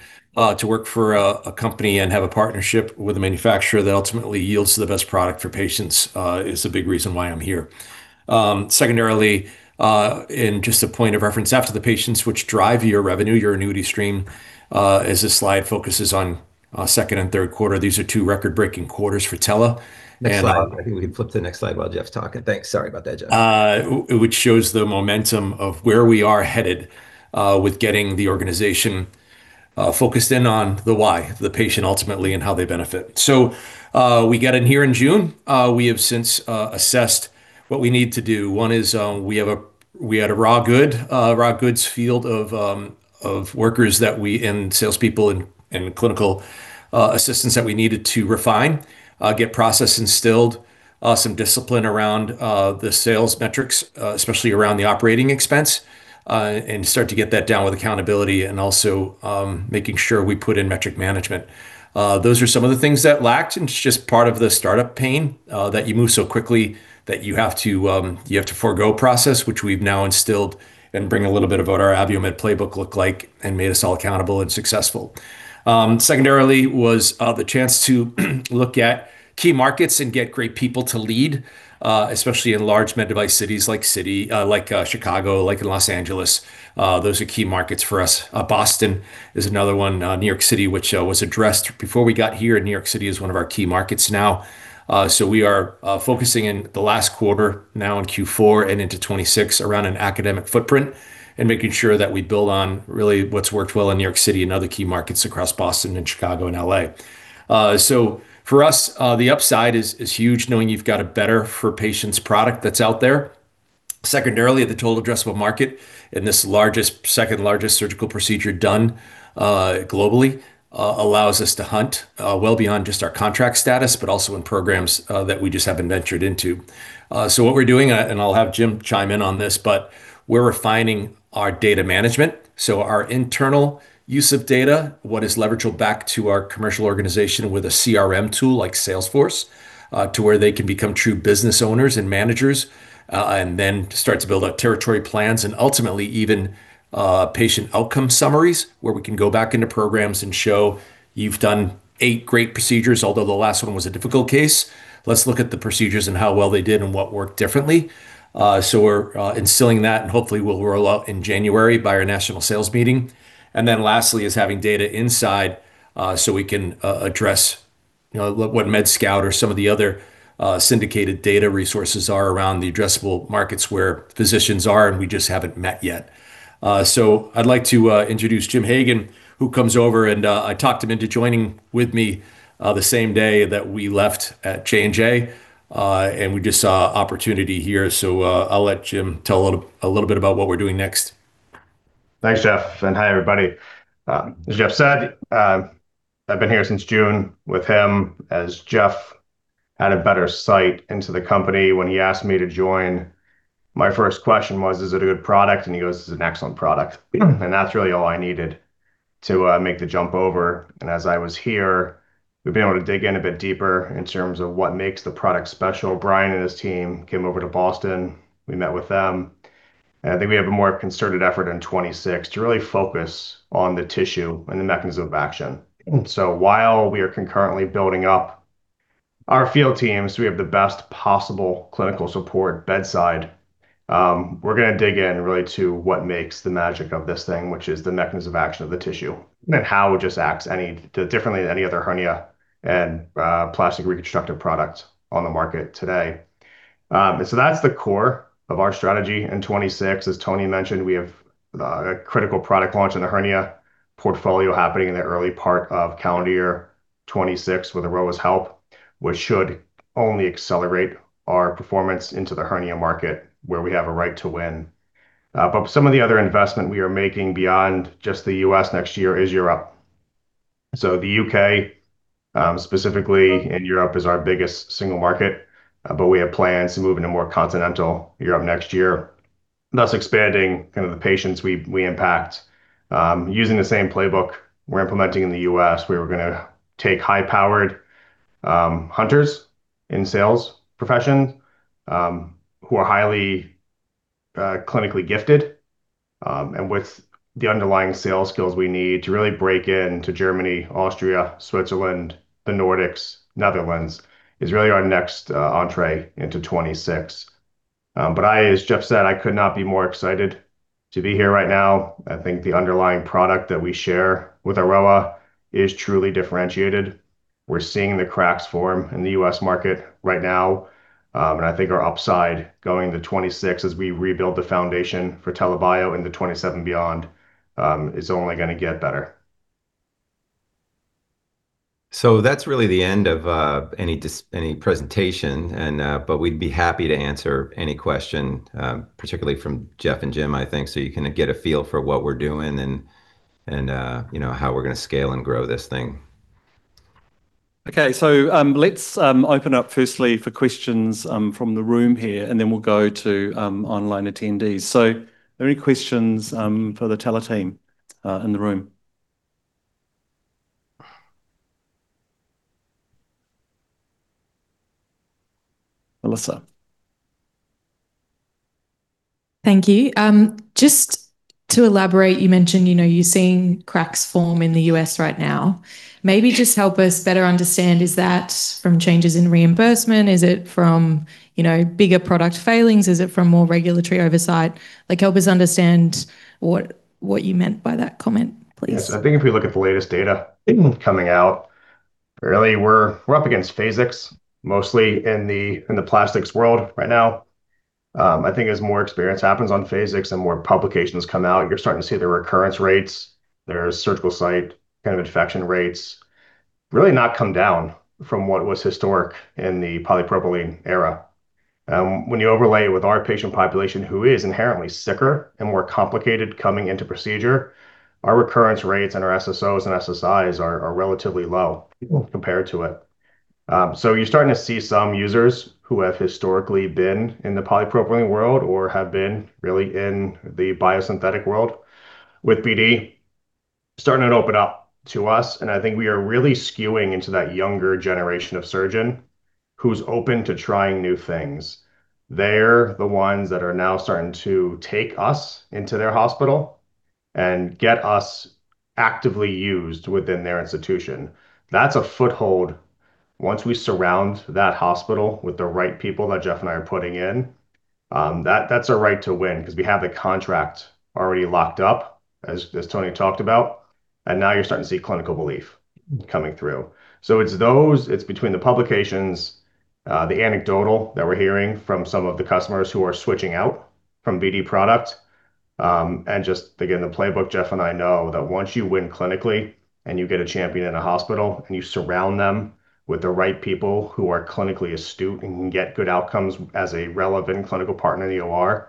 To work for a company and have a partnership with a manufacturer that ultimately yields the best product for patients is a big reason why I'm here. Secondarily, in just a point of reference, after the patients, which drive your revenue, your annuity stream, as this slide focuses on second and third quarter, these are two record-breaking quarters for Tela. Next slide. I think we can flip to the next slide while Jeff's talking. Thanks. Sorry about that, Jeff. Which shows the momentum of where we are headed with getting the organization focused in on the why, the patient ultimately, and how they benefit. We got in here in June. We have since assessed what we need to do. One is we had a raw goods field of workers and salespeople and clinical assistants that we needed to refine, get process instilled, some discipline around the sales metrics, especially around the operating expense, and start to get that down with accountability and also making sure we put in metric management. Those are some of the things that lacked, and it's just part of the startup pain that you move so quickly that you have to forgo process, which we've now instilled and bring a little bit of what our Aviomed playbook looked like and made us all accountable and successful. Secondarily was the chance to look at key markets and get great people to lead, especially in large med device cities like Chicago, like in Los Angeles. Those are key markets for us. Boston is another one. New York City, which was addressed before we got here, and New York City is one of our key markets now. We are focusing in the last quarter now in Q4 and into 2026 around an academic footprint and making sure that we build on really what's worked well in New York City and other key markets across Boston and Chicago and LA. For us, the upside is huge knowing you've got a better-for-patients product that's out there. Secondarily, the total addressable market in this second-largest surgical procedure done globally allows us to hunt well beyond just our contract status, but also in programs that we just haven't ventured into. What we're doing, and I'll have Jim chime in on this, is we're refining our data management. Our internal use of data is leveraged back to our commercial organization with a CRM tool like Salesforce to where they can become true business owners and managers and then start to build out territory plans and ultimately even patient outcome summaries where we can go back into programs and show you've done eight great procedures, although the last one was a difficult case. Let's look at the procedures and how well they did and what worked differently. We are instilling that, and hopefully we'll roll out in January by our national sales meeting. Lastly, having data inside means we can address what MedScout or some of the other syndicated data resources are around the addressable markets where physicians are, and we just haven't met yet. I'd like to introduce Jim Hagan, who comes over, and I talked him into joining with me the same day that we left at J&J, and we just saw opportunity here. I'll let Jim tell a little bit about what we're doing next. Thanks, Jeff. Hi, everybody. As Jeff said, I've been here since June with him. As Jeff had a better sight into the company, when he asked me to join, my first question was, "Is it a good product?" He goes, "It's an excellent product." That's really all I needed to make the jump over. As I was here, we've been able to dig in a bit deeper in terms of what makes the product special. Brian and his team came over to Boston. We met with them. I think we have a more concerted effort in 2026 to really focus on the tissue and the mechanism of action. While we are concurrently building up our field teams, we have the best possible clinical support bedside. We are going to dig in really to what makes the magic of this thing, which is the mechanism of action of the tissue and how it just acts differently than any other hernia and plastic reconstructive products on the market today. That is the core of our strategy in 2026. As Tony mentioned, we have a critical product launch in the hernia portfolio happening in the early part of calendar year 2026 with Aroa's help, which should only accelerate our performance into the hernia market where we have a right to win. Some of the other investment we are making beyond just the US next year is Europe. The U.K., specifically in Europe, is our biggest single market, but we have plans to move into more continental Europe next year, thus expanding kind of the patients we impact. Using the same playbook we're implementing in the U.S., we were going to take high-powered hunters in sales profession who are highly clinically gifted and with the underlying sales skills we need to really break into Germany, Austria, Switzerland, the Nordics, Netherlands is really our next entree into 2026. I, as Jeff said, I could not be more excited to be here right now. I think the underlying product that we share with Aroa is truly differentiated. We're seeing the cracks form in the U.S. market right now. I think our upside going into 2026 as we rebuild the foundation for TELA Bio into 2027 and beyond is only going to get better. That is really the end of any presentation, but we'd be happy to answer any question, particularly from Jeff and Jim, I think, so you can get a feel for what we're doing and how we're going to scale and grow this thing. Okay. Let's open up firstly for questions from the room here, and then we'll go to online attendees. Any questions for the Tela team in the room? Melissa? Thank you. Just to elaborate, you mentioned you're seeing cracks form in the US right now. Maybe just help us better understand. Is that from changes in reimbursement? Is it from bigger product failings? Is it from more regulatory oversight? Help us understand what you meant by that comment, please. Yes. I think if you look at the latest data coming out, really we're up against Phasix mostly in the plastics world right now. I think as more experience happens on Phasix and more publications come out, you're starting to see the recurrence rates. There's surgical site kind of infection rates really not come down from what was historic in the polypropylene era. When you overlay it with our patient population who is inherently sicker and more complicated coming into procedure, our recurrence rates and our SSOs and SSIs are relatively low compared to it. You are starting to see some users who have historically been in the polypropylene world or have been really in the biosynthetic world with BD starting to open up to us. I think we are really skewing into that younger generation of surgeon who's open to trying new things. They're the ones that are now starting to take us into their hospital and get us actively used within their institution. That's a foothold. Once we surround that hospital with the right people that Jeff and I are putting in, that's a right to win because we have the contract already locked up, as Tony talked about. Now you're starting to see clinical belief coming through. It's between the publications, the anecdotal that we're hearing from some of the customers who are switching out from BD product. Just again, the playbook, Jeff and I know that once you win clinically and you get a champion in a hospital and you surround them with the right people who are clinically astute and can get good outcomes as a relevant clinical partner in the OR,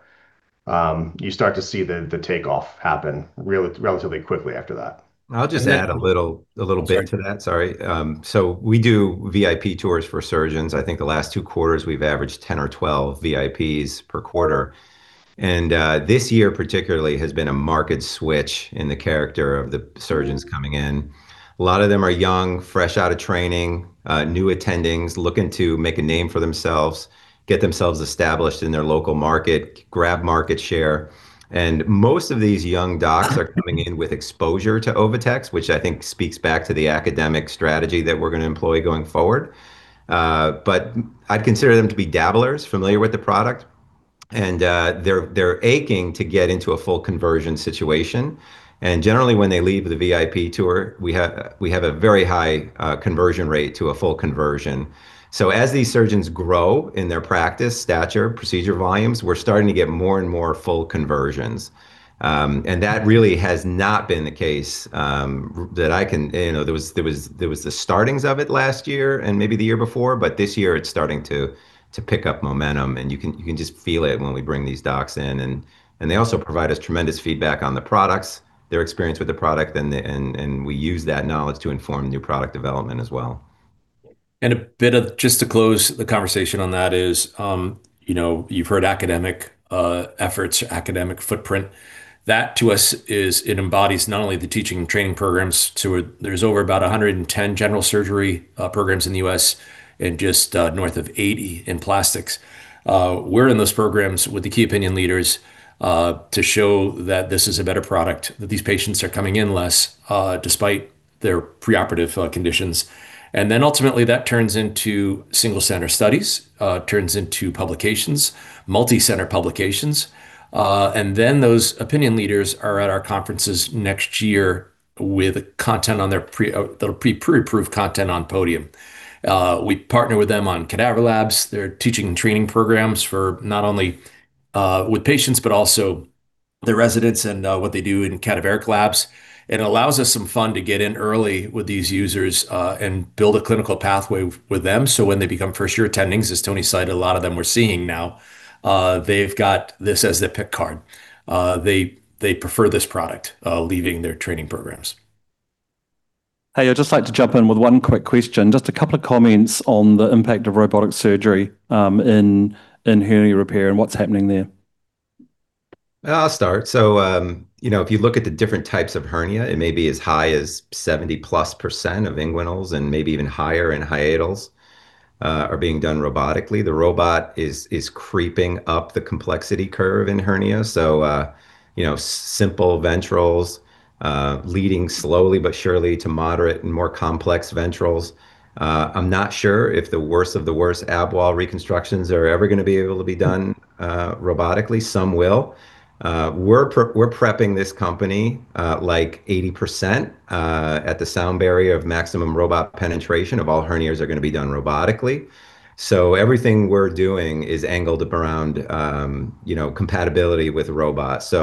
you start to see the takeoff happen relatively quickly after that. I'll just add a little bit to that. Sorry. We do VIP tours for surgeons. I think the last two quarters, we've averaged 10 or 12 VIPs per quarter. This year particularly has been a marked switch in the character of the surgeons coming in. A lot of them are young, fresh out of training, new attendings, looking to make a name for themselves, get themselves established in their local market, grab market share. Most of these young docs are coming in with exposure to OviTex, which I think speaks back to the academic strategy that we're going to employ going forward. I'd consider them to be dabblers, familiar with the product. They're aching to get into a full conversion situation. Generally, when they leave the VIP tour, we have a very high conversion rate to a full conversion. As these surgeons grow in their practice, stature, procedure volumes, we're starting to get more and more full conversions. That really has not been the case that I can. There was the startings of it last year and maybe the year before, but this year it's starting to pick up momentum. You can just feel it when we bring these docs in. They also provide us tremendous feedback on the products, their experience with the product, and we use that knowledge to inform new product development as well. Just to close the conversation on that, you've heard academic efforts, academic footprint. That to us embodies not only the teaching and training programs. There are over about 110 general surgery programs in the US and just north of 80 in plastics. We're in those programs with the key opinion leaders to show that this is a better product, that these patients are coming in less despite their preoperative conditions. That turns into single-center studies, turns into publications, multi-center publications. Those opinion leaders are at our conferences next year with content on their pre-approved content on Podium. We partner with them on cadaver labs. They're teaching and training programs for not only with patients, but also the residents and what they do in cadaveric labs. It allows us some fun to get in early with these users and build a clinical pathway with them. When they become first-year attendings, as Tony cited, a lot of them we're seeing now, they've got this as their pick card. They prefer this product leaving their training programs. Hey, I'd just like to jump in with one quick question. Just a couple of comments on the impact of robotic surgery in hernia repair and what's happening there. I'll start. If you look at the different types of hernia, it may be as high as 70-plus % of inguinals and maybe even higher in hiatals are being done robotically. The robot is creeping up the complexity curve in hernia. Simple ventrals leading slowly but surely to moderate and more complex ventrals. I'm not sure if the worst of the worst ab wall reconstructions are ever going to be able to be done robotically. Some will. We're prepping this company like 80% at the sound barrier of maximum robot penetration. All hernias are going to be done robotically. Everything we're doing is angled around compatibility with robots.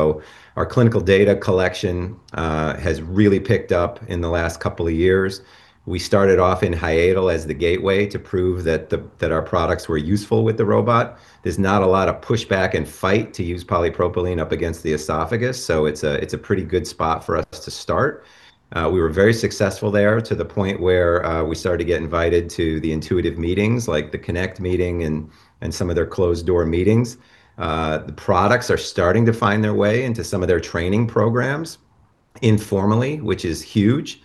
Our clinical data collection has really picked up in the last couple of years. We started off in hiatal as the gateway to prove that our products were useful with the robot. There's not a lot of pushback and fight to use polypropylene up against the esophagus. It's a pretty good spot for us to start. We were very successful there to the point where we started to get invited to the Intuitive meetings like the Connect meeting and some of their closed-door meetings. The products are starting to find their way into some of their training programs informally, which is huge.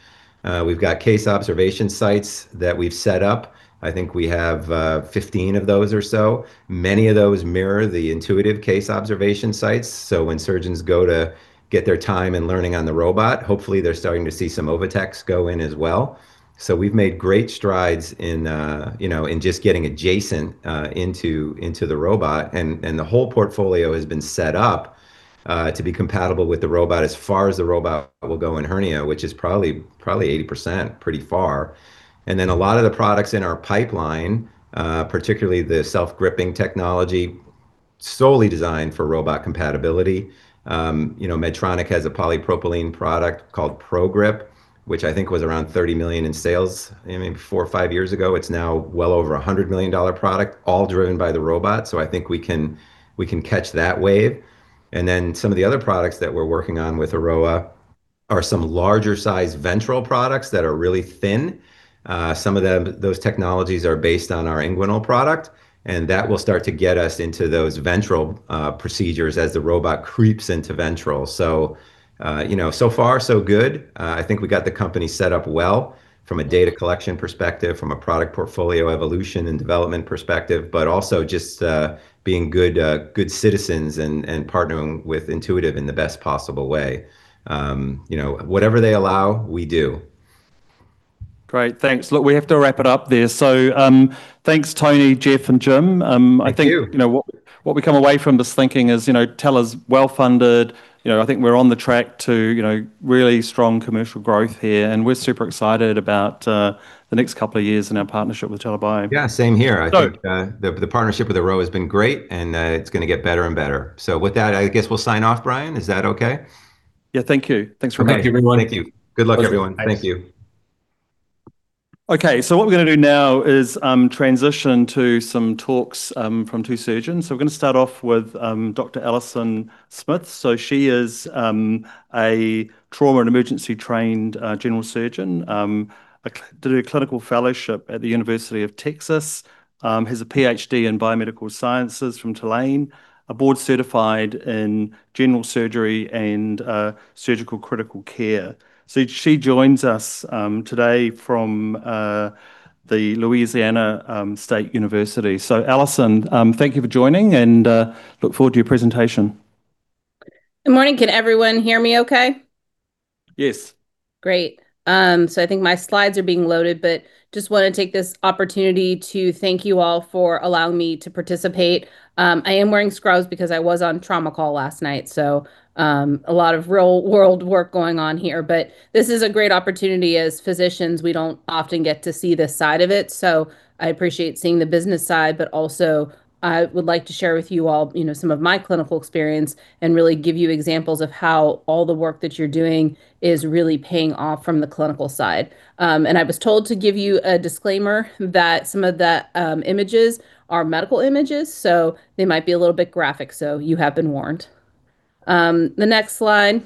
We've got case observation sites that we've set up. I think we have 15 of those or so. Many of those mirror the Intuitive case observation sites. When surgeons go to get their time and learning on the robot, hopefully they're starting to see some OviTex go in as well. We've made great strides in just getting adjacent into the robot. The whole portfolio has been set up to be compatible with the robot as far as the robot will go in hernia, which is probably 80%, pretty far. A lot of the products in our pipeline, particularly the self-gripping technology, are solely designed for robot compatibility. Medtronic has a polypropylene product called ProGrip, which I think was around $30 million in sales maybe four or five years ago. It is now well over a $100 million product, all driven by the robot. I think we can catch that wave. Some of the other products that we're working on with Aroa are some larger-sized ventral products that are really thin. Some of those technologies are based on our inguinal product. That will start to get us into those ventral procedures as the robot creeps into ventral. So far, so good. I think we got the company set up well from a data collection perspective, from a product portfolio evolution and development perspective, but also just being good citizens and partnering with Intuitive in the best possible way. Whatever they allow, we do. Great. Thanks. Look, we have to wrap it up there. So thanks, Tony, Jeff, and Jim. Thank you. I think what we come away from this thinking is Tela's well-funded. I think we're on the track to really strong commercial growth here. And we're super excited about the next couple of years in our partnership with Tela Bio. Yeah, same here. I think the partnership with Aroa has been great, and it's going to get better and better. With that, I guess we'll sign off, Brian. Is that okay? Yeah. Thank you. Thanks for having me. Thank you, everyone. Thank you. Good luck, everyone. Thank you. Okay. What we are going to do now is transition to some talks from two surgeons. We are going to start off with Dr. Alison Smith. She is a trauma and emergency trained general surgeon, did a clinical fellowship at the University of Texas, has a PhD in biomedical sciences from Tulane, and is board-certified in general surgery and surgical critical care. She joins us today from Louisiana State University. Alison, thank you for joining, and look forward to your presentation. Good morning. Can everyone hear me okay? Yes. Great. I think my slides are being loaded, but just want to take this opportunity to thank you all for allowing me to participate. I am wearing scrubs because I was on trauma call last night. A lot of real-world work going on here. This is a great opportunity as physicians. We do not often get to see this side of it. I appreciate seeing the business side, but also I would like to share with you all some of my clinical experience and really give you examples of how all the work that you are doing is really paying off from the clinical side. I was told to give you a disclaimer that some of the images are medical images, so they might be a little bit graphic. You have been warned. The next slide.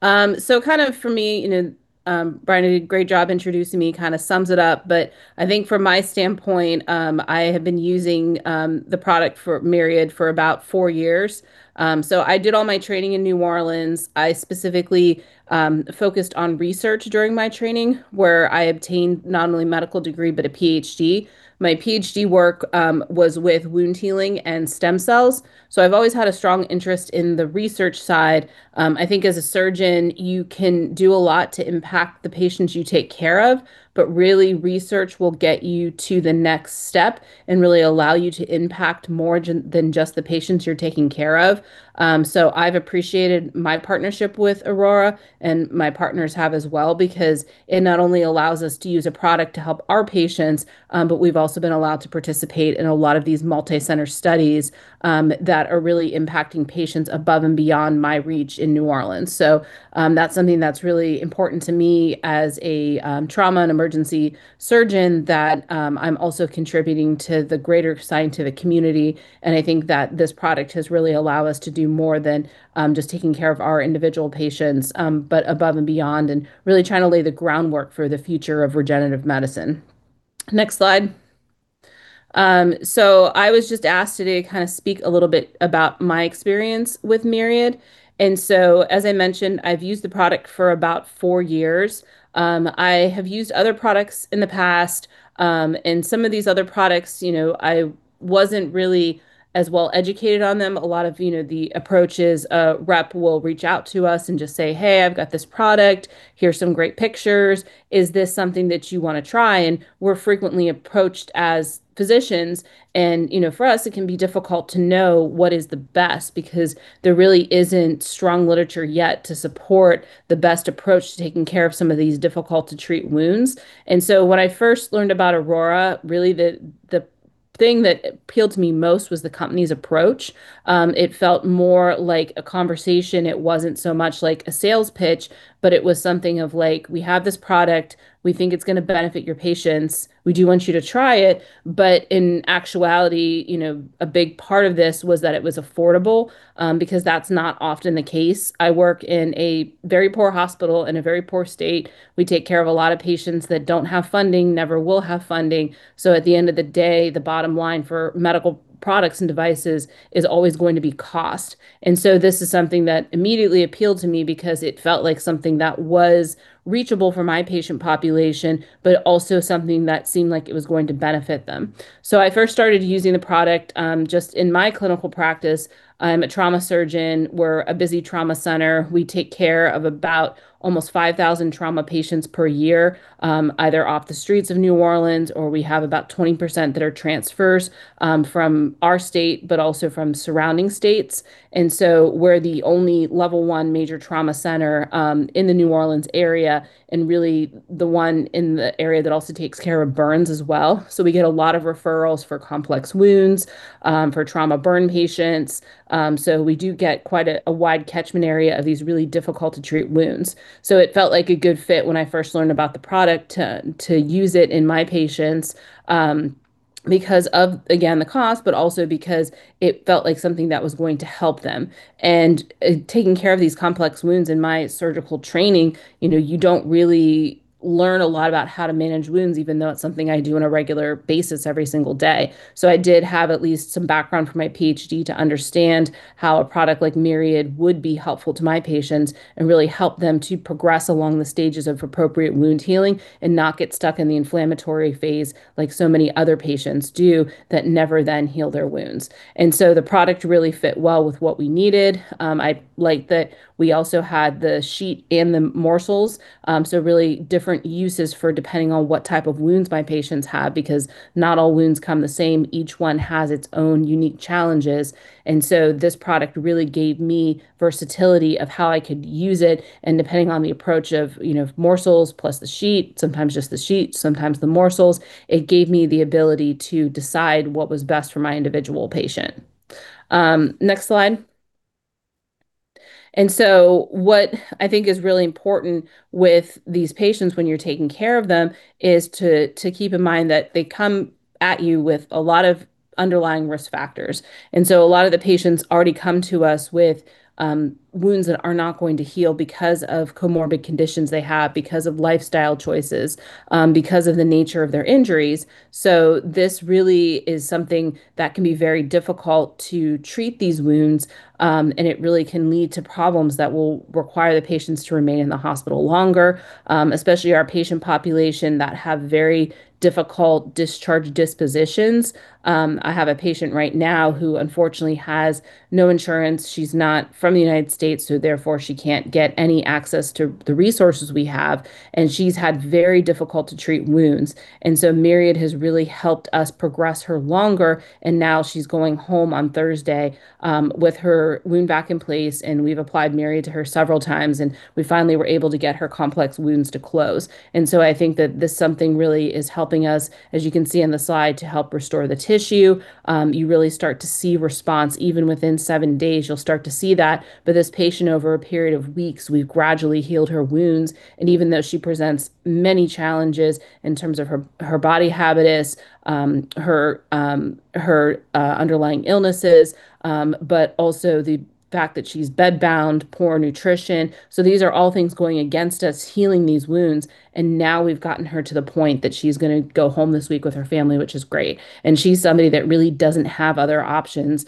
For me, Brian did a great job introducing me, kind of sums it up. I think from my standpoint, I have been using the product Myriad for about four years. I did all my training in New Orleans. I specifically focused on research during my training where I obtained not only a medical degree, but a PhD. My PhD work was with wound healing and stem cells. I have always had a strong interest in the research side. I think as a surgeon, you can do a lot to impact the patients you take care of, but really research will get you to the next step and really allow you to impact more than just the patients you are taking care of. I have appreciated my partnership with Aroa and my partners have as well because it not only allows us to use a product to help our patients, but we have also been allowed to participate in a lot of these multi-center studies that are really impacting patients above and beyond my reach in New Orleans. That is something that is really important to me as a trauma and emergency surgeon that I am also contributing to the greater scientific community. I think that this product has really allowed us to do more than just taking care of our individual patients, but above and beyond and really trying to lay the groundwork for the future of regenerative medicine. Next slide. I was just asked today to kind of speak a little bit about my experience with Myriad. As I mentioned, I've used the product for about four years. I have used other products in the past. Some of these other products, I wasn't really as well educated on them. A lot of the approaches, rep will reach out to us and just say, "Hey, I've got this product. Here's some great pictures. Is this something that you want to try?" We're frequently approached as physicians. For us, it can be difficult to know what is the best because there really isn't strong literature yet to support the best approach to taking care of some of these difficult-to-treat wounds. When I first learned about Aroa, really the thing that appealed to me most was the company's approach. It felt more like a conversation. It wasn't so much like a sales pitch, but it was something of like, "We have this product. We think it's going to benefit your patients. We do want you to try it." In actuality, a big part of this was that it was affordable because that's not often the case. I work in a very poor hospital in a very poor state. We take care of a lot of patients that don't have funding, never will have funding. At the end of the day, the bottom line for medical products and devices is always going to be cost. This is something that immediately appealed to me because it felt like something that was reachable for my patient population, but also something that seemed like it was going to benefit them. I first started using the product just in my clinical practice. I'm a trauma surgeon. We're a busy trauma center. We take care of about almost 5,000 trauma patients per year, either off the streets of New Orleans or we have about 20% that are transfers from our state, but also from surrounding states. We're the only level one major trauma center in the New Orleans area and really the one in the area that also takes care of burns as well. We get a lot of referrals for complex wounds, for trauma burn patients. We do get quite a wide catchment area of these really difficult-to-treat wounds. It felt like a good fit when I first learned about the product to use it in my patients because of, again, the cost, but also because it felt like something that was going to help them. Taking care of these complex wounds in my surgical training, you do not really learn a lot about how to manage wounds, even though it is something I do on a regular basis every single day. I did have at least some background from my PhD to understand how a product like Myriad would be helpful to my patients and really help them to progress along the stages of appropriate wound healing and not get stuck in the inflammatory phase like so many other patients do that never then heal their wounds. The product really fit well with what we needed. I like that we also had the sheet and the morsels. Really different uses for depending on what type of wounds my patients have because not all wounds come the same. Each one has its own unique challenges. This product really gave me versatility of how I could use it. Depending on the approach of morsels plus the sheet, sometimes just the sheet, sometimes the morsels, it gave me the ability to decide what was best for my individual patient. Next slide. What I think is really important with these patients when you're taking care of them is to keep in mind that they come at you with a lot of underlying risk factors. A lot of the patients already come to us with wounds that are not going to heal because of comorbid conditions they have, because of lifestyle choices, because of the nature of their injuries. This really is something that can be very difficult to treat, these wounds, and it really can lead to problems that will require the patients to remain in the hospital longer, especially our patient population that have very difficult discharge dispositions. I have a patient right now who unfortunately has no insurance. She's not from the United States, so therefore she can't get any access to the resources we have. She's had very difficult-to-treat wounds. Myriad has really helped us progress her longer. Now she's going home on Thursday with her wound vac in place. We've applied Myriad to her several times, and we finally were able to get her complex wounds to close. I think that this something really is helping us, as you can see in the slide, to help restore the tissue. You really start to see response even within seven days. You'll start to see that. This patient, over a period of weeks, we've gradually healed her wounds. Even though she presents many challenges in terms of her body habitus, her underlying illnesses, but also the fact that she's bedbound, poor nutrition. These are all things going against us healing these wounds. Now we've gotten her to the point that she's going to go home this week with her family, which is great. She's somebody that really doesn't have other options.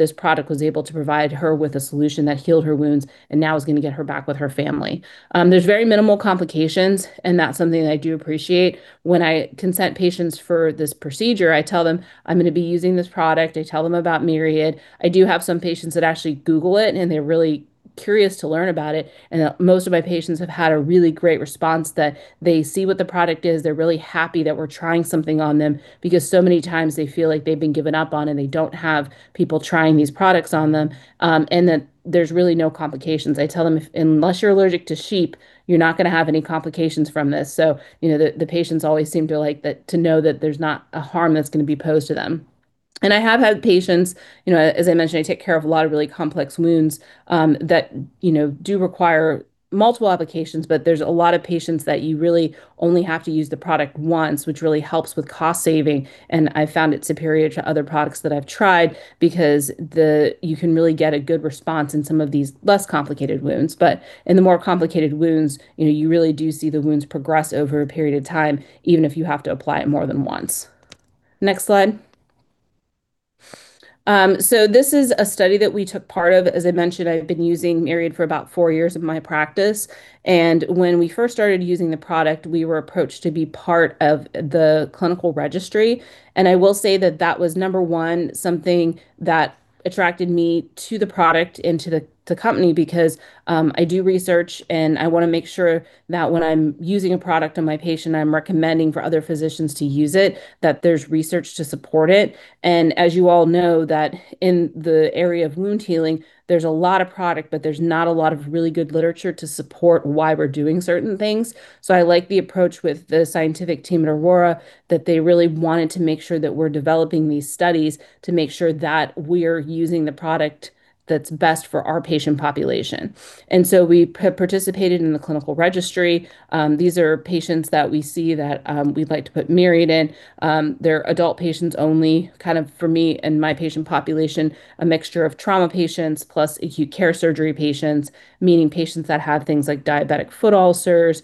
This product was able to provide her with a solution that healed her wounds and now is going to get her back with her family. There's very minimal complications, and that's something that I do appreciate. When I consent patients for this procedure, I tell them, "I'm going to be using this product." I tell them about Myriad. I do have some patients that actually Google it, and they're really curious to learn about it. Most of my patients have had a really great response that they see what the product is. They're really happy that we're trying something on them because so many times they feel like they've been given up on and they don't have people trying these products on them and that there's really no complications. I tell them, "Unless you're allergic to sheep, you're not going to have any complications from this." The patients always seem to like to know that there's not a harm that's going to be posed to them. I have had patients, as I mentioned, I take care of a lot of really complex wounds that do require multiple applications, but there's a lot of patients that you really only have to use the product once, which really helps with cost saving. I found it superior to other products that I've tried because you can really get a good response in some of these less complicated wounds. In the more complicated wounds, you really do see the wounds progress over a period of time, even if you have to apply it more than once. Next slide. This is a study that we took part of. As I mentioned, I've been using Myriad for about four years of my practice. When we first started using the product, we were approached to be part of the clinical registry. I will say that that was, number one, something that attracted me to the product and to the company because I do research, and I want to make sure that when I'm using a product on my patient, I'm recommending for other physicians to use it, that there's research to support it. As you all know, in the area of wound healing, there's a lot of product, but there's not a lot of really good literature to support why we're doing certain things. I like the approach with the scientific team at Aroa that they really wanted to make sure that we're developing these studies to make sure that we are using the product that's best for our patient population. We participated in the clinical registry. These are patients that we see that we'd like to put Myriad in. They're adult patients only, kind of for me and my patient population, a mixture of trauma patients plus acute care surgery patients, meaning patients that have things like diabetic foot ulcers,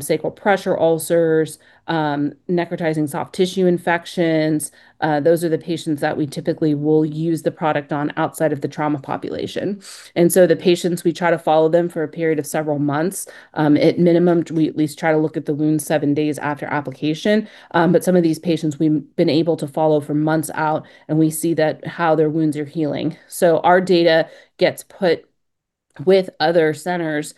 sacral pressure ulcers, necrotizing soft tissue infections. Those are the patients that we typically will use the product on outside of the trauma population. The patients, we try to follow them for a period of several months. At minimum, we at least try to look at the wounds seven days after application. Some of these patients, we've been able to follow for months out, and we see how their wounds are healing. Our data gets put with other centers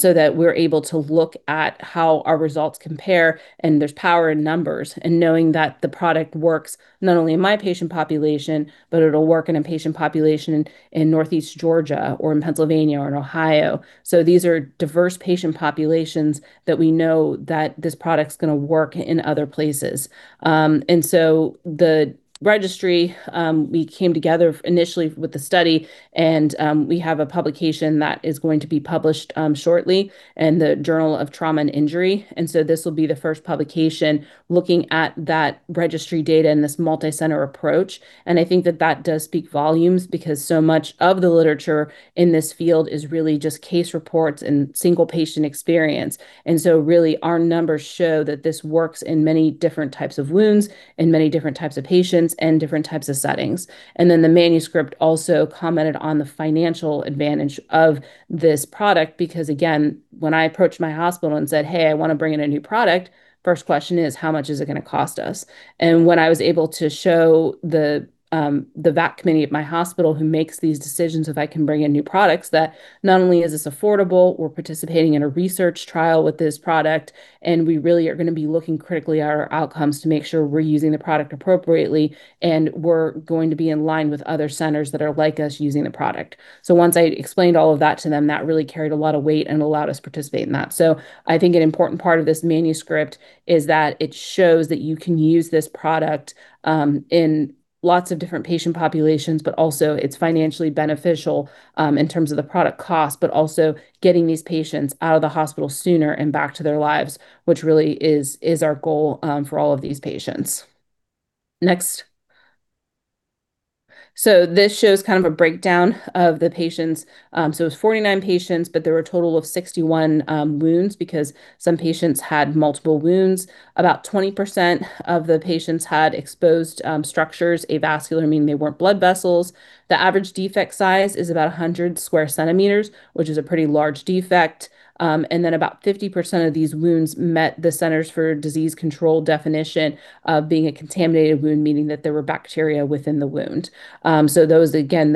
so that we're able to look at how our results compare and there's power in numbers. Knowing that the product works not only in my patient population, but it'll work in a patient population in Northeast Georgia or in Pennsylvania or in Ohio. These are diverse patient populations that we know that this product's going to work in other places. The registry, we came together initially with the study, and we have a publication that is going to be published shortly in the Journal of Trauma and Injury. This will be the first publication looking at that registry data in this multi-center approach. I think that that does speak volumes because so much of the literature in this field is really just case reports and single patient experience. Really, our numbers show that this works in many different types of wounds, in many different types of patients, and different types of settings. The manuscript also commented on the financial advantage of this product because, again, when I approached my hospital and said, "Hey, I want to bring in a new product," the first question is, "How much is it going to cost us?" When I was able to show the VAT committee at my hospital who makes these decisions if I can bring in new products, that not only is this affordable, we're participating in a research trial with this product, and we really are going to be looking critically at our outcomes to make sure we're using the product appropriately and we're going to be in line with other centers that are like us using the product. Once I explained all of that to them, that really carried a lot of weight and allowed us to participate in that. I think an important part of this manuscript is that it shows that you can use this product in lots of different patient populations, but also it's financially beneficial in terms of the product cost, but also getting these patients out of the hospital sooner and back to their lives, which really is our goal for all of these patients. Next. This shows kind of a breakdown of the patients. It was 49 patients, but there were a total of 61 wounds because some patients had multiple wounds. About 20% of the patients had exposed structures, avascular, meaning they weren't blood vessels. The average defect size is about 100 sq cm, which is a pretty large defect. About 50% of these wounds met the Centers for Disease Control definition of being a contaminated wound, meaning that there were bacteria within the wound.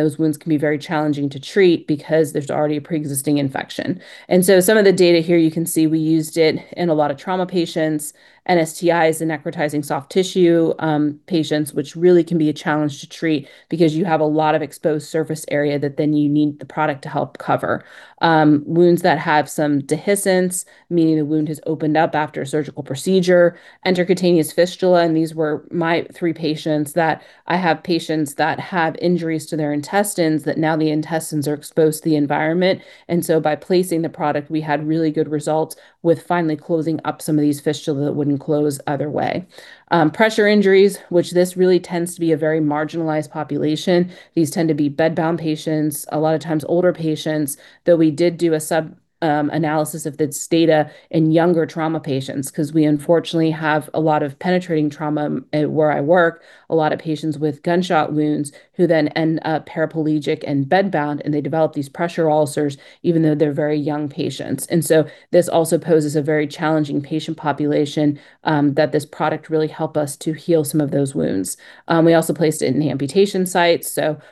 Those wounds can be very challenging to treat because there's already a pre-existing infection. Some of the data here, you can see we used it in a lot of trauma patients, NSTIs, and necrotizing soft tissue patients, which really can be a challenge to treat because you have a lot of exposed surface area that then you need the product to help cover. Wounds that have some dehiscence, meaning the wound has opened up after a surgical procedure, intercutaneous fistula. These were my three patients that I have, patients that have injuries to their intestines that now the intestines are exposed to the environment. By placing the product, we had really good results with finally closing up some of these fistula that wouldn't close other way. Pressure injuries, which this really tends to be a very marginalized population. These tend to be bedbound patients, a lot of times older patients, though we did do a sub-analysis of this data in younger trauma patients because we unfortunately have a lot of penetrating trauma where I work, a lot of patients with gunshot wounds who then end up paraplegic and bedbound, and they develop these pressure ulcers even though they're very young patients. This also poses a very challenging patient population that this product really helped us to heal some of those wounds. We also placed it in the amputation site.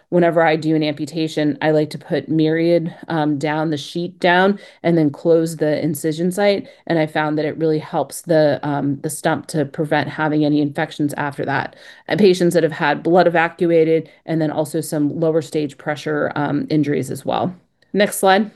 Whenever I do an amputation, I like to put Myriad down, the sheet down, and then close the incision site. I found that it really helps the stump to prevent having any infections after that. Patients that have had blood evacuated and then also some lower-stage pressure injuries as well. Next slide.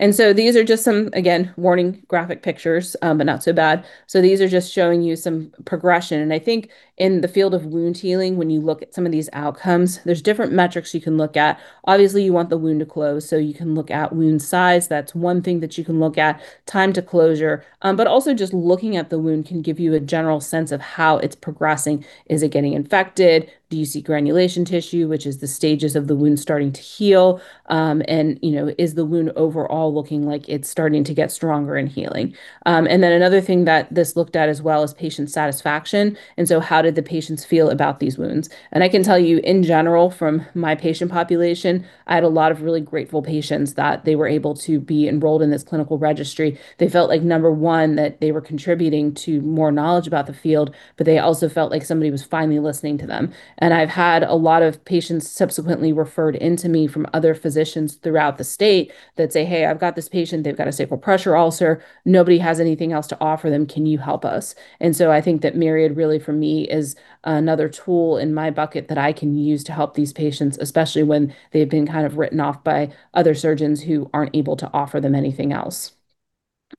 These are just some, again, warning graphic pictures, but not so bad. These are just showing you some progression. I think in the field of wound healing, when you look at some of these outcomes, there are different metrics you can look at. Obviously, you want the wound to close. You can look at wound size. That is one thing that you can look at, time to closure. Also, just looking at the wound can give you a general sense of how it is progressing. Is it getting infected? Do you see granulation tissue, which is the stages of the wound starting to heal? Is the wound overall looking like it is starting to get stronger and healing? Another thing that this looked at as well is patient satisfaction. How did the patients feel about these wounds? I can tell you, in general, from my patient population, I had a lot of really grateful patients that they were able to be enrolled in this clinical registry. They felt like, number one, that they were contributing to more knowledge about the field, but they also felt like somebody was finally listening to them. I've had a lot of patients subsequently referred in to me from other physicians throughout the state that say, "Hey, I've got this patient. They've got a sacral pressure ulcer. Nobody has anything else to offer them. Can you help us?" I think that Myriad really, for me, is another tool in my bucket that I can use to help these patients, especially when they've been kind of written off by other surgeons who aren't able to offer them anything else.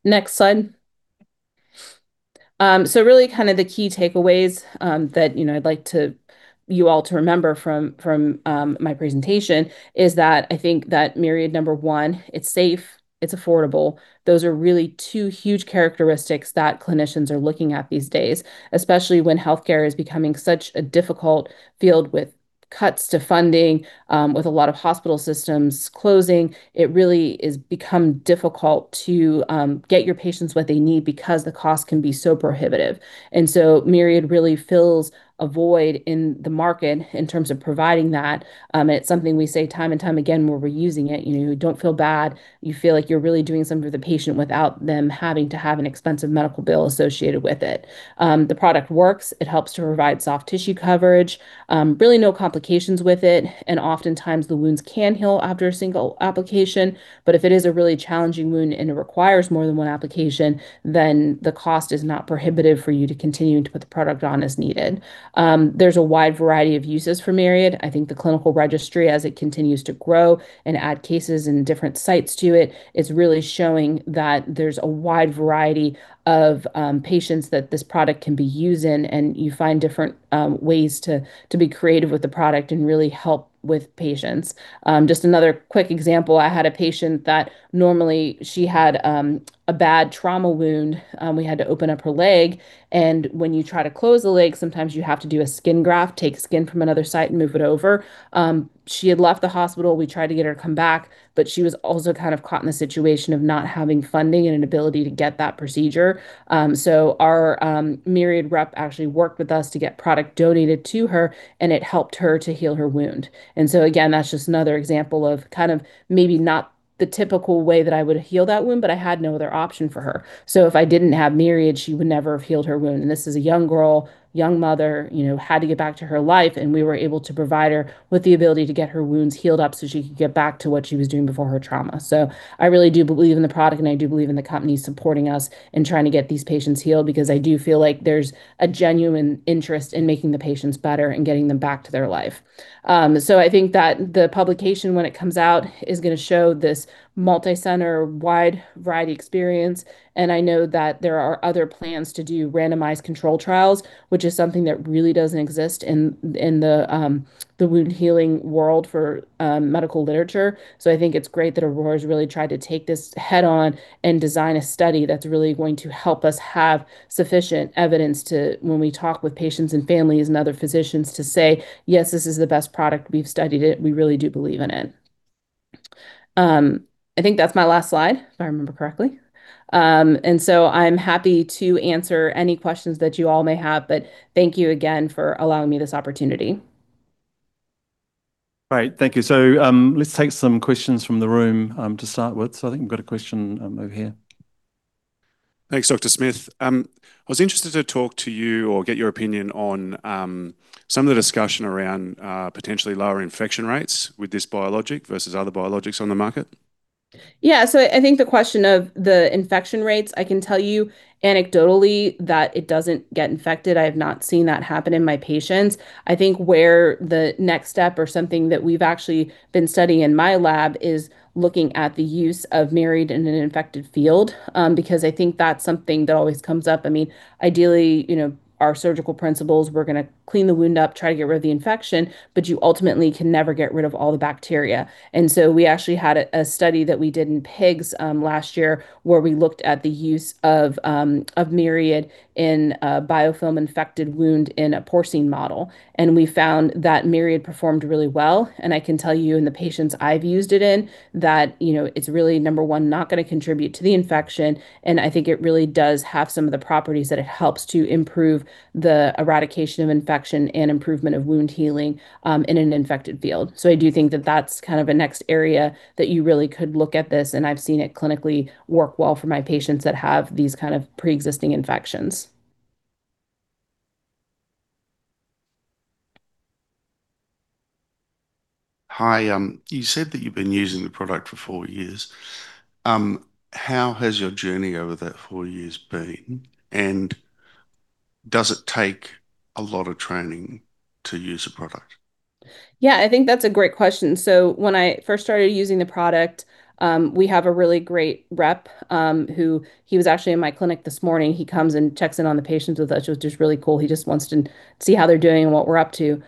Next slide. Really kind of the key takeaways that I'd like you all to remember from my presentation is that I think that Myriad, number one, it's safe, it's affordable. Those are really two huge characteristics that clinicians are looking at these days, especially when healthcare is becoming such a difficult field with cuts to funding, with a lot of hospital systems closing. It really has become difficult to get your patients what they need because the cost can be so prohibitive. Myriad really fills a void in the market in terms of providing that. It's something we say time and time again where we're using it. Don't feel bad. You feel like you're really doing something for the patient without them having to have an expensive medical bill associated with it. The product works. It helps to provide soft tissue coverage. Really no complications with it. Oftentimes, the wounds can heal after a single application. If it is a really challenging wound and it requires more than one application, then the cost is not prohibitive for you to continue to put the product on as needed. There is a wide variety of uses for Myriad. I think the clinical registry, as it continues to grow and add cases and different sites to it, is really showing that there is a wide variety of patients that this product can be used in, and you find different ways to be creative with the product and really help with patients. Just another quick example. I had a patient that normally she had a bad trauma wound. We had to open up her leg. When you try to close the leg, sometimes you have to do a skin graft, take skin from another site, and move it over. She had left the hospital. We tried to get her to come back, but she was also kind of caught in the situation of not having funding and an ability to get that procedure. Our Myriad rep actually worked with us to get product donated to her, and it helped her to heal her wound. That is just another example of kind of maybe not the typical way that I would heal that wound, but I had no other option for her. If I did not have Myriad, she would never have healed her wound. This is a young girl, young mother, had to get back to her life, and we were able to provide her with the ability to get her wounds healed up so she could get back to what she was doing before her trauma. I really do believe in the product, and I do believe in the company supporting us in trying to get these patients healed because I do feel like there's a genuine interest in making the patients better and getting them back to their life. I think that the publication, when it comes out, is going to show this multi-center wide variety experience. I know that there are other plans to do randomized control trials, which is something that really doesn't exist in the wound healing world for medical literature. I think it's great that Aroa has really tried to take this head-on and design a study that's really going to help us have sufficient evidence when we talk with patients and families and other physicians to say, "Yes, this is the best product. We've studied it. We really do believe in it." I think that's my last slide, if I remember correctly. I am happy to answer any questions that you all may have, but thank you again for allowing me this opportunity. All right. Thank you. Let's take some questions from the room to start with. I think we've got a question over here. Thanks, Dr. Smith. I was interested to talk to you or get your opinion on some of the discussion around potentially lower infection rates with this biologic versus other biologics on the market? Yeah. I think the question of the infection rates, I can tell you anecdotally that it doesn't get infected. I have not seen that happen in my patients. I think where the next step or something that we've actually been studying in my lab is looking at the use of Myriad in an infected field because I think that's something that always comes up. I mean, ideally, our surgical principles, we're going to clean the wound up, try to get rid of the infection, but you ultimately can never get rid of all the bacteria. We actually had a study that we did in pigs last year where we looked at the use of Myriad in a biofilm-infected wound in a porcine model. We found that Myriad performed really well. I can tell you in the patients I've used it in that it's really, number one, not going to contribute to the infection. I think it really does have some of the properties that it helps to improve the eradication of infection and improvement of wound healing in an infected field. I do think that that's kind of a next area that you really could look at this. I've seen it clinically i work well for my patients that have these kind of pre-existing infections. Hi you said you have been using the product for four years. How has that journey over the four years been? And does it take a lot of trending to use that product? He just wants to see how they're doing and what we're up to.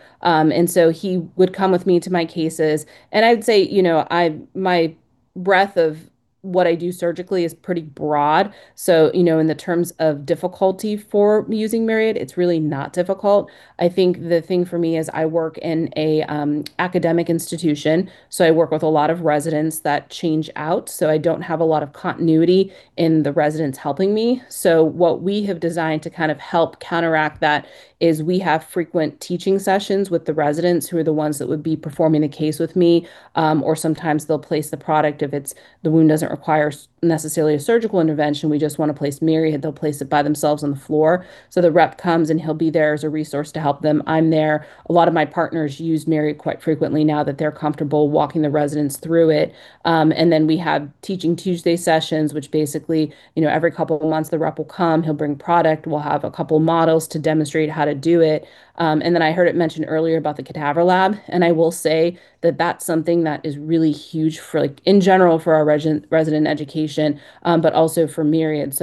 He would come with me to my cases. I'd say my breadth of what I do surgically is pretty broad. In the terms of difficulty for using Myriad, it's really not difficult. I think the thing for me is I work in an academic institution, so I work with a lot of residents that change out. I don't have a lot of continuity in the residents helping me. What we have designed to kind of help counteract that is we have frequent teaching sessions with the residents who are the ones that would be performing a case with me. Sometimes they'll place the product if the wound doesn't require necessarily a surgical intervention. We just want to place Myriad. They'll place it by themselves on the floor. The rep comes and he'll be there as a resource to help them. I'm there. A lot of my partners use Myriad quite frequently now that they're comfortable walking the residents through it. We have teaching Tuesday sessions, which basically every couple of months the rep will come. He'll bring product. We'll have a couple of models to demonstrate how to do it. I heard it mentioned earlier about the cadaver lab. I will say that that's something that is really huge in general for our resident education, but also for Myriad.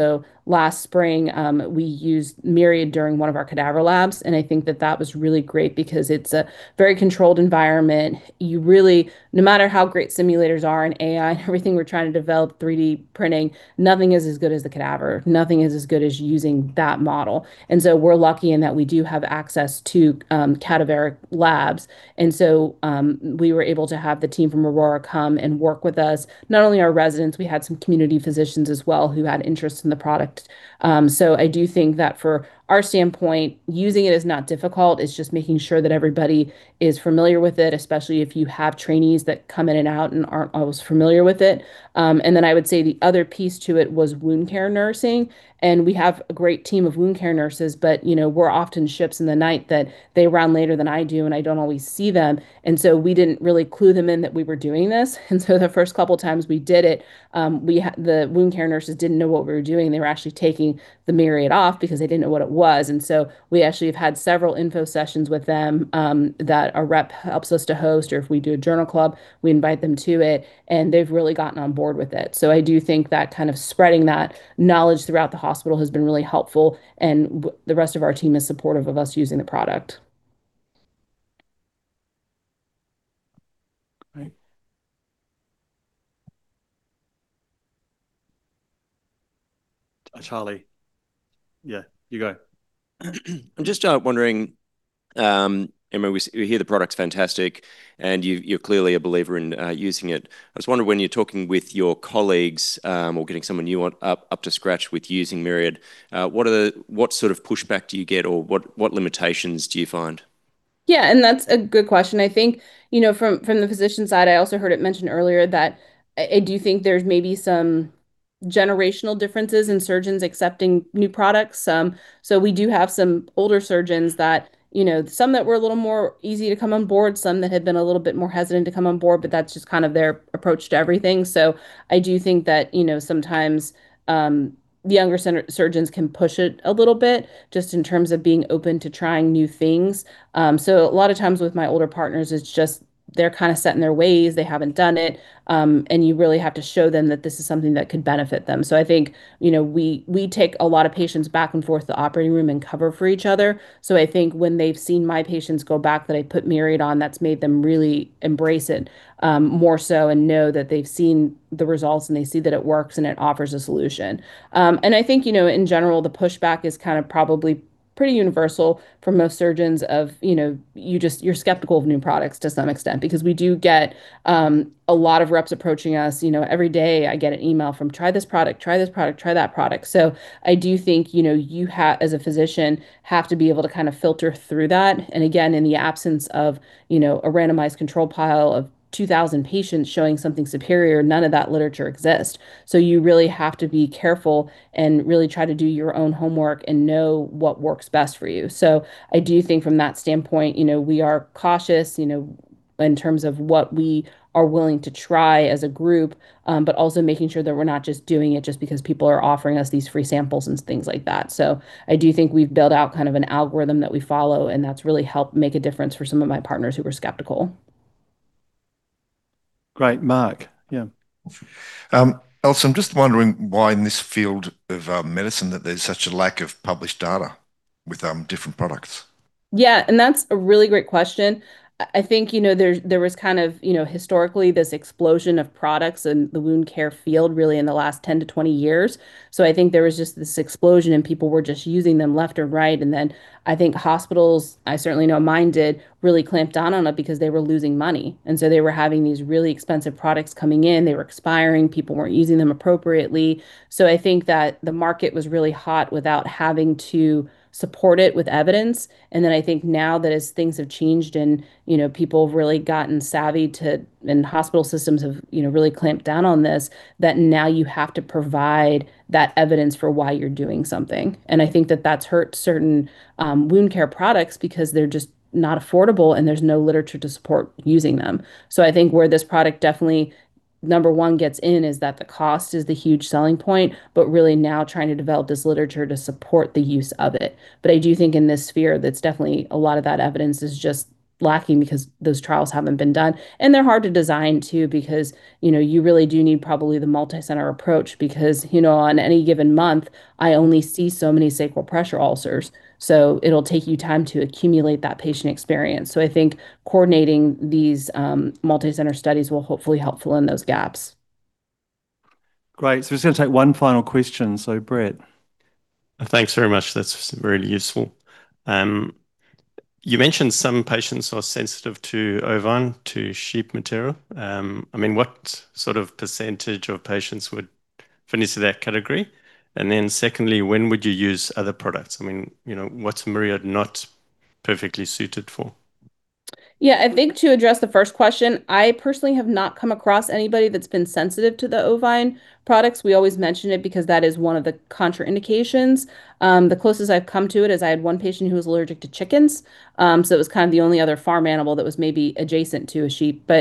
Last spring, we used Myriad during one of our cadaver labs. I think that that was really great because it's a very controlled environment. No matter how great simulators are and AI and everything we're trying to develop, 3D printing, nothing is as good as the cadaver. Nothing is as good as using that model. We are lucky in that we do have access to cadaveric labs. We were able to have the team from Aroa come and work with us, not only our residents. We had some community physicians as well who had interest in the product. I do think that from our standpoint, using it is not difficult. It is just making sure that everybody is familiar with it, especially if you have trainees that come in and out and are not always familiar with it. I would say the other piece to it was wound care nursing. We have a great team of wound care nurses, but we are often shifts in the night that they run later than I do, and I do not always see them. We did not really clue them in that we were doing this. The first couple of times we did it, the wound care nurses did not know what we were doing. They were actually taking the Myriad off because they did not know what it was. We have had several info sessions with them that a rep helps us to host, or if we do a journal club, we invite them to it. They have really gotten on board with it. I do think that kind of spreading that knowledge throughout the hospital has been really helpful. The rest of our team is supportive of us using the product. All right. Charlie. Yeah, you go. I am just wondering, we hear the product is fantastic, and you are clearly a believer in using it. I was wondering when you're talking with your colleagues or getting someone new up to scratch with using Myriad, what sort of pushback do you get or what limitations do you find? Yeah, that's a good question. I think from the physician side, I also heard it mentioned earlier that I do think there's maybe some generational differences in surgeons accepting new products. We do have some older surgeons, some that were a little more easy to come on board, some that had been a little bit more hesitant to come on board, but that's just kind of their approach to everything. I do think that sometimes the younger surgeons can push it a little bit just in terms of being open to trying new things. A lot of times with my older partners, it's just they're kind of set in their ways. They have not done it. You really have to show them that this is something that could benefit them. I think we take a lot of patients back and forth to the operating room and cover for each other. I think when they have seen my patients go back that I put Myriad on, that has made them really embrace it more so and know that they have seen the results and they see that it works and it offers a solution. I think in general, the pushback is kind of probably pretty universal for most surgeons. You are skeptical of new products to some extent because we do get a lot of reps approaching us. Every day, I get an email from, "Try this product, try this product, try that product." I do think you, as a physician, have to be able to kind of filter through that. Again, in the absence of a randomized control pile of 2,000 patients showing something superior, none of that literature exists. You really have to be careful and really try to do your own homework and know what works best for you. I do think from that standpoint, we are cautious in terms of what we are willing to try as a group, but also making sure that we're not just doing it just because people are offering us these free samples and things like that. I do think we've built out kind of an algorithm that we follow, and that's really helped make a difference for some of my partners who were skeptical. Great. Mark. Yeah. Also, I'm just wondering why in this field of medicine that there's such a lack of published data with different products. Yeah. That's a really great question. I think there was kind of historically this explosion of products in the wound care field really in the last 10 to 20 years. I think there was just this explosion and people were just using them left and right. I think hospitals, I certainly know mine did, really clamped down on it because they were losing money. They were having these really expensive products coming in. They were expiring. People were not using them appropriately. I think that the market was really hot without having to support it with evidence. I think now that as things have changed and people have really gotten savvy and hospital systems have really clamped down on this, now you have to provide that evidence for why you are doing something. I think that that's hurt certain wound care products because they're just not affordable and there's no literature to support using them. I think where this product definitely, number one, gets in is that the cost is the huge selling point, but really now trying to develop this literature to support the use of it. I do think in this sphere, that's definitely a lot of that evidence is just lacking because those trials haven't been done. They're hard to design too because you really do need probably the multi-center approach because on any given month, I only see so many sacral pressure ulcers. It'll take you time to accumulate that patient experience. I think coordinating these multi-center studies will hopefully help fill in those gaps. Great. We're just going to take one final question. Brett. Thanks very much. That's really useful. You mentioned some patients are sensitive to ovine, to sheep material. I mean, what sort of percentage of patients would fit into that category? Secondly, when would you use other products? I mean, what's Myriad not perfectly suited for? Yeah, I think to address the first question, I personally have not come across anybody that's been sensitive to the ovine products. We always mention it because that is one of the contraindications. The closest I've come to it is I had one patient who was allergic to chickens. It was kind of the only other farm animal that was maybe adjacent to a sheep.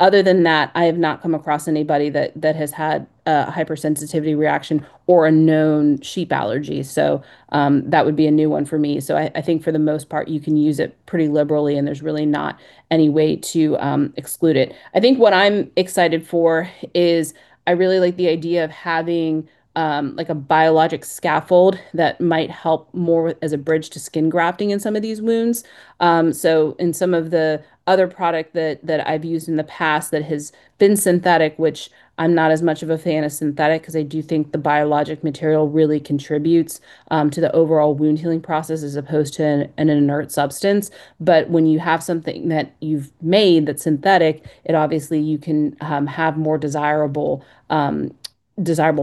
Other than that, I have not come across anybody that has had a hypersensitivity reaction or a known sheep allergy. That would be a new one for me. I think for the most part, you can use it pretty liberally, and there's really not any way to exclude it. I think what I'm excited for is I really like the idea of having a biologic scaffold that might help more as a bridge to skin grafting in some of these wounds. In some of the other product that I've used in the past that has been synthetic, which I'm not as much of a fan of synthetic because I do think the biologic material really contributes to the overall wound healing process as opposed to an inert substance. When you have something that you've made that's synthetic, obviously you can have more desirable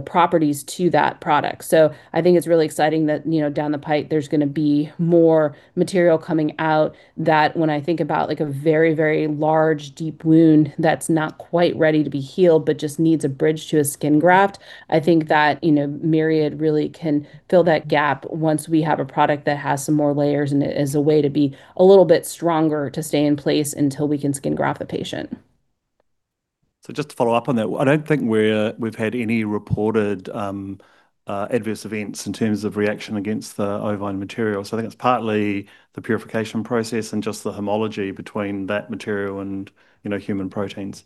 properties to that product. I think it's really exciting that down the pipe, there's going to be more material coming out that when I think about a very, very large, deep wound that's not quite ready to be healed, but just needs a bridge to a skin graft, I think that Myriad really can fill that gap once we have a product that has some more layers and it is a way to be a little bit stronger to stay in place until we can skin graft the patient. Just to follow up on that, I don't think we've had any reported adverse events in terms of reaction against the ovine material. I think it's partly the purification process and just the homology between that material and human proteins.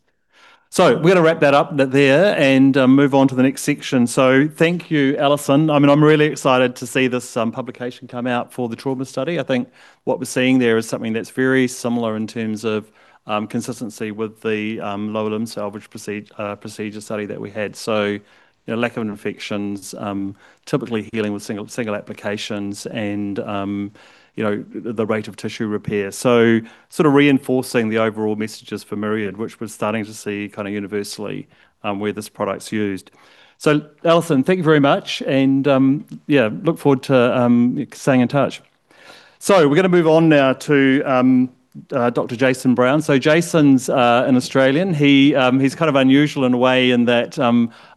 We're going to wrap that up there and move on to the next section. Thank you, Alison. I mean, I'm really excited to see this publication come out for the trauma study. I think what we're seeing there is something that's very similar in terms of consistency with the lower limb salvage procedure study that we had. Lack of infections, typically healing with single applications, and the rate of tissue repair. Sort of reinforcing the overall messages for Myriad, which we're starting to see kind of universally where this product's used. Alison, thank you very much. Yeah, look forward to staying in touch. We're going to move on now to Dr. Jason Brown. Jason's an Australian. He's kind of unusual in a way in that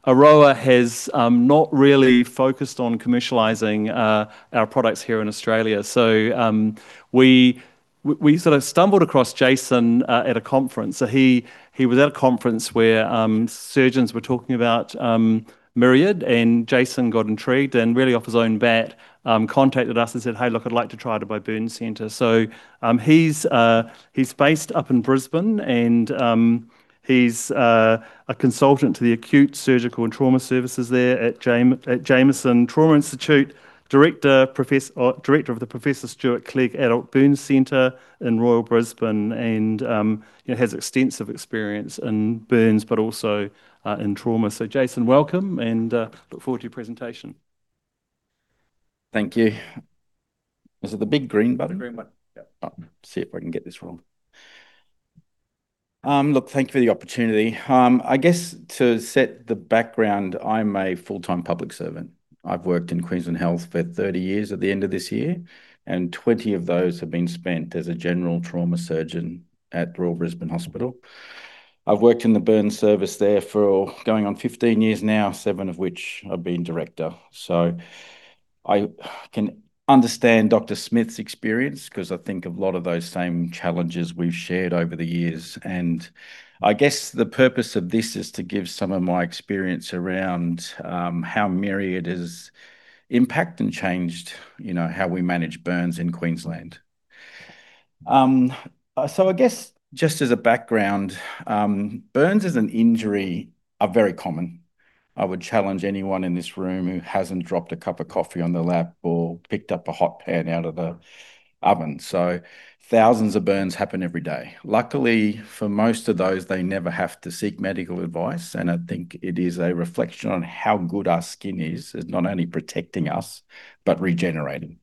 Aroa has not really focused on commercializing our products here in Australia. We sort of stumbled across Jason at a conference. He was at a conference where surgeons were talking about Myriad, and Jason got intrigued and really off his own bat contacted us and said, "Hey, look, I'd like to try it by Burn Center." He is based up in Brisbane, and he is a consultant to the acute surgical and trauma services there at Jamison Trauma Institute, director of the Professor Stewart Clegg Adult Burn Center in Royal Brisbane, and has extensive experience in burns, but also in trauma. Jason, welcome, and look forward to your presentation. Thank you. Is it the big green button? See if I can get this wrong. Thank you for the opportunity. I guess to set the background, I'm a full-time public servant. I've worked in Queensland Health for 30 years at the end of this year, and 20 of those have been spent as a general trauma surgeon at Royal Brisbane Hospital. I've worked in the burn service there for going on 15 years now, seven of which I've been director. I can understand Dr. Smith's experience because I think a lot of those same challenges we've shared over the years. I guess the purpose of this is to give some of my experience around how Myriad has impacted and changed how we manage burns in Queensland. Just as a background, burns as an injury are very common. I would challenge anyone in this room who hasn't dropped a cup of coffee on the lap or picked up a hot pan out of the oven. Thousands of burns happen every day. Luckily, for most of those, they never have to seek medical advice. I think it is a reflection on how good our skin is, is not only protecting us, but regenerating.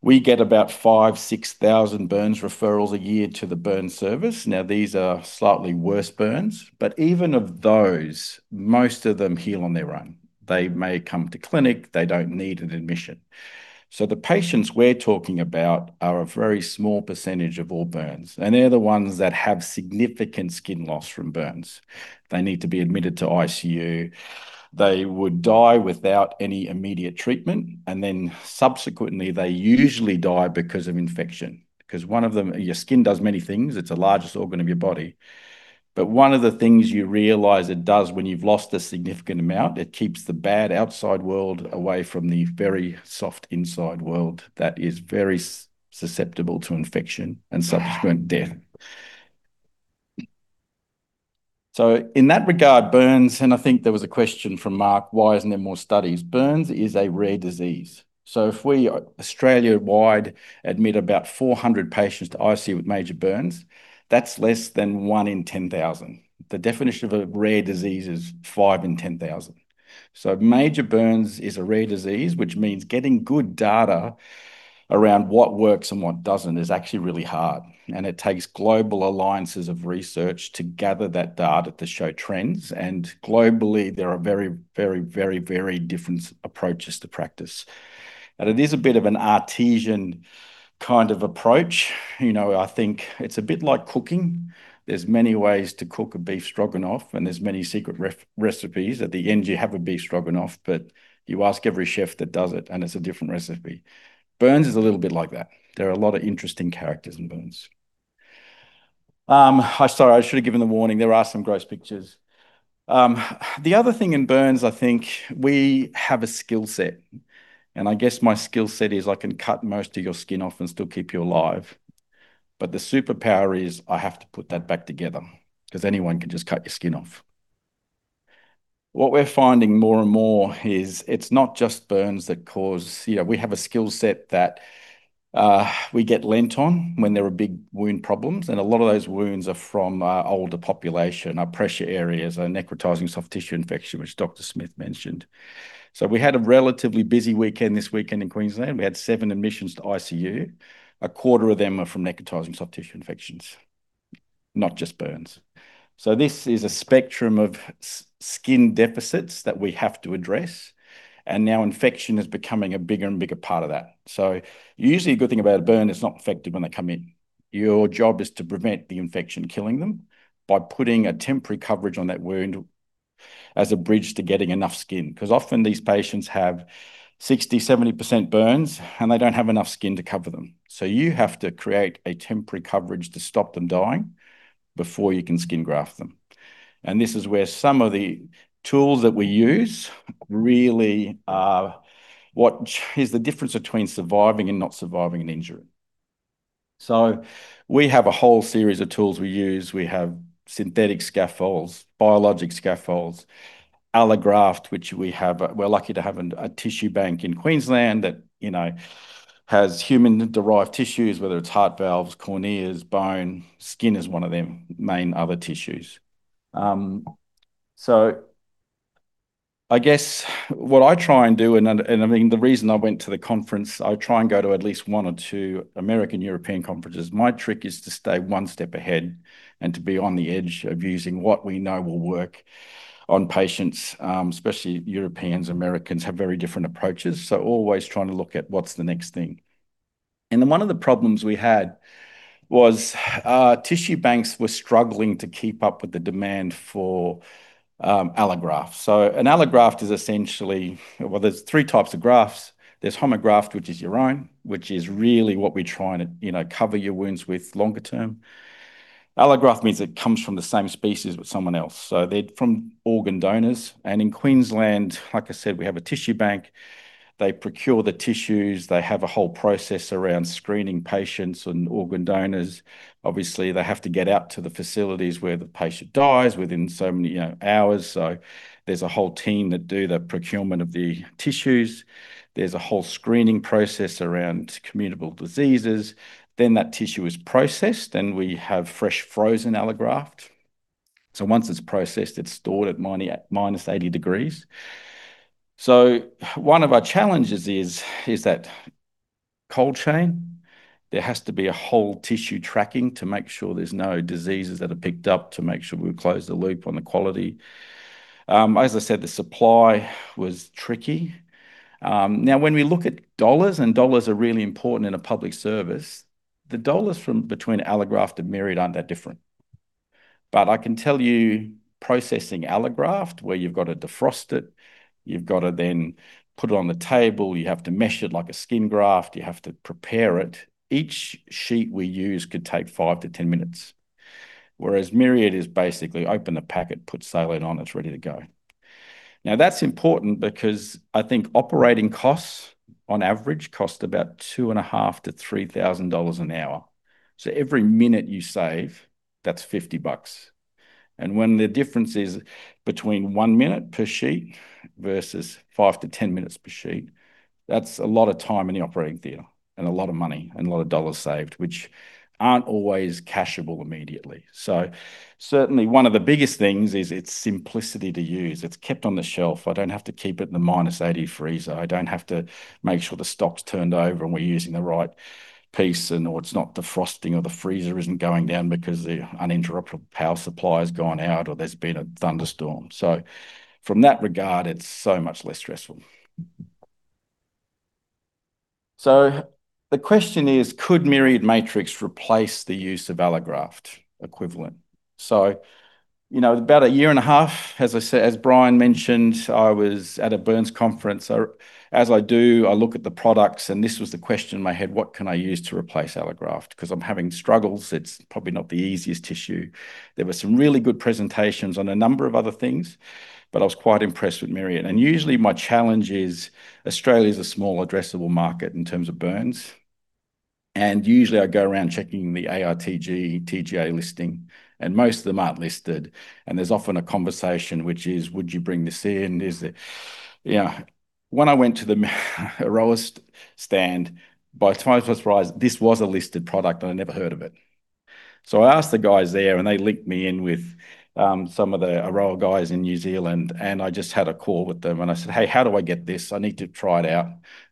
We get about 5,000-6,000 burns referrals a year to the burn service. These are slightly worse burns. Even of those, most of them heal on their own. They may come to clinic. They don't need an admission. The patients we're talking about are a very small percentage of all burns. They're the ones that have significant skin loss from burns. They need to be admitted to ICU. They would die without any immediate treatment. Subsequently, they usually die because of infection. Your skin does many things. It's the largest organ of your body. One of the things you realize it does when you've lost a significant amount, it keeps the bad outside world away from the very soft inside world that is very susceptible to infection and subsequent death. In that regard, burns, and I think there was a question from Mark, why isn't there more studies? Burns is a rare disease. If we Australia-wide admit about 400 patients to ICU with major burns, that's less than 1 in 10,000. The definition of a rare disease is 5 in 10,000. Major burns is a rare disease, which means getting good data around what works and what doesn't is actually really hard. It takes global alliances of research to gather that data to show trends. Globally, there are very, very, very, very different approaches to practice. It is a bit of an artesian kind of approach. I think it's a bit like cooking. There's many ways to cook a beef stroganoff, and there's many secret recipes. At the end, you have a beef stroganoff, but you ask every chef that does it, and it's a different recipe. Burns is a little bit like that. There are a lot of interesting characters in burns. Sorry, I should have given the warning. There are some gross pictures. The other thing in burns, I think we have a skill set. I guess my skill set is I can cut most of your skin off and still keep you alive. The superpower is I have to put that back together because anyone can just cut your skin off. What we're finding more and more is it's not just burns that cause we have a skill set that we get lent on when there are big wound problems. A lot of those wounds are from older population, our pressure areas, our necrotizing soft tissue infection, which Dr. Smith mentioned. We had a relatively busy weekend this weekend in Queensland. We had seven admissions to ICU. A quarter of them are from necrotizing soft tissue infections, not just burns. This is a spectrum of skin deficits that we have to address. Now infection is becoming a bigger and bigger part of that. Usually, a good thing about a burn, it's not infected when they come in. Your job is to prevent the infection killing them by putting a temporary coverage on that wound as a bridge to getting enough skin. Because often, these patients have 60-70% burns, and they don't have enough skin to cover them. You have to create a temporary coverage to stop them dying before you can skin graft them. This is where some of the tools that we use really are what is the difference between surviving and not surviving an injury. We have a whole series of tools we use. We have synthetic scaffolds, biologic scaffolds, allograft, which we have. We're lucky to have a tissue bank in Queensland that has human-derived tissues, whether it's heart valves, corneas, bone, skin is one of the main other tissues. I guess what I try and do, and I mean, the reason I went to the conference, I try and go to at least one or two American European conferences. My trick is to stay one step ahead and to be on the edge of using what we know will work on patients, especially Europeans. Americans have very different approaches. Always trying to look at what's the next thing. One of the problems we had was tissue banks were struggling to keep up with the demand for allograft. An allograft is essentially, well, there are three types of grafts. There's homograft, which is your own, which is really what we're trying to cover your wounds with longer term. Allograft means it comes from the same species with someone else. They're from organ donors. In Queensland, like I said, we have a tissue bank. They procure the tissues. They have a whole process around screening patients and organ donors. Obviously, they have to get out to the facilities where the patient dies within so many hours. There's a whole team that does the procurement of the tissues. There's a whole screening process around communicable diseases. That tissue is processed, and we have fresh frozen allograft. Once it is processed, it is stored at minus 80 degrees. One of our challenges is that cold chain. There has to be a whole tissue tracking to make sure there are no diseases that are picked up to make sure we close the loop on the quality. As I said, the supply was tricky. Now, when we look at dollars, and dollars are really important in a public service, the dollars from between allograft and Myriad are not that different. I can tell you processing allograft, where you have to defrost it, you have to then put it on the table, you have to mesh it like a skin graft, you have to prepare it. Each sheet we use could take 5-10 minutes. Whereas Myriad is basically open the packet, put saline on, it is ready to go. Now, that's important because I think operating costs on average cost about $2,500-$3,000 an hour. Every minute you save, that's $50. When the difference is between one minute per sheet versus 5-10 minutes per sheet, that's a lot of time in the operating theater and a lot of money and a lot of dollars saved, which aren't always cashable immediately. Certainly, one of the biggest things is its simplicity to use. It's kept on the shelf. I don't have to keep it in the minus 80 freezer. I don't have to make sure the stock's turned over and we're using the right piece and it's not defrosting or the freezer isn't going down because the uninterruptible power supply has gone out or there's been a thunderstorm. From that regard, it's so much less stressful. The question is, could Myriad Matrix replace the use of allograft equivalent? About a year and a half, as Brian mentioned, I was at a burns conference. As I do, I look at the products, and this was the question in my head, what can I use to replace allograft? Because I'm having struggles. It's probably not the easiest tissue. There were some really good presentations on a number of other things, but I was quite impressed with Myriad. Usually, my challenge is Australia is a small addressable market in terms of burns. Usually, I go around checking the ARTG, TGA listing, and most of them aren't listed. There's often a conversation, which is, would you bring this in? When I went to the Aroa stand, by times most prized, this was a listed product, and I never heard of it. I asked the guys there, and they linked me in with some of the Aroa guys in New Zealand. I just had a call with them, and I said, "Hey, how do I get this? I need to try it out."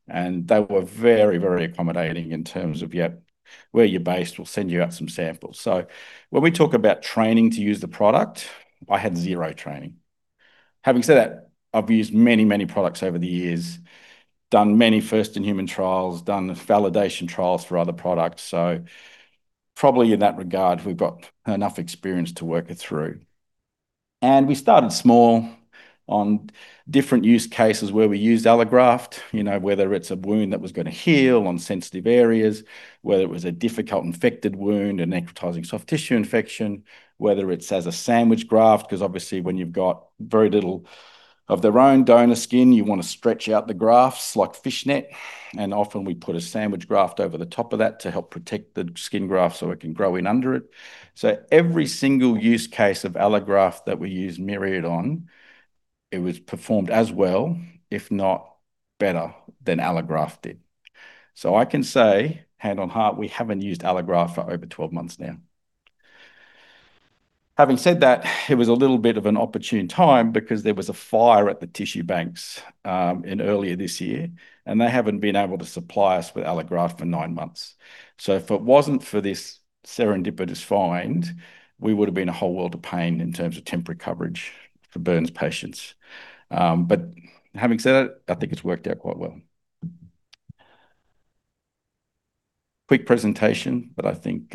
They were very, very accommodating in terms of, "Yep, where you're based, we'll send you out some samples." When we talk about training to use the product, I had zero training. Having said that, I've used many, many products over the years, done many first-in-human trials, done validation trials for other products. Probably in that regard, we've got enough experience to work it through. We started small on different use cases where we used allograft, whether it's a wound that was going to heal on sensitive areas, whether it was a difficult infected wound, a necrotizing soft tissue infection, whether it's as a sandwich graft, because obviously, when you've got very little of their own donor skin, you want to stretch out the grafts like fishnet. Often, we put a sandwich graft over the top of that to help protect the skin graft so it can grow in under it. Every single use case of allograft that we used Myriad on, it was performed as well, if not better than allograft did. I can say, hand on heart, we haven't used allograft for over 12 months now. Having said that, it was a little bit of an opportune time because there was a fire at the tissue banks earlier this year, and they haven't been able to supply us with allograft for nine months. If it wasn't for this serendipitous find, we would have been a whole world of pain in terms of temporary coverage for burns patients. Having said that, I think it's worked out quite well. Quick presentation, but I think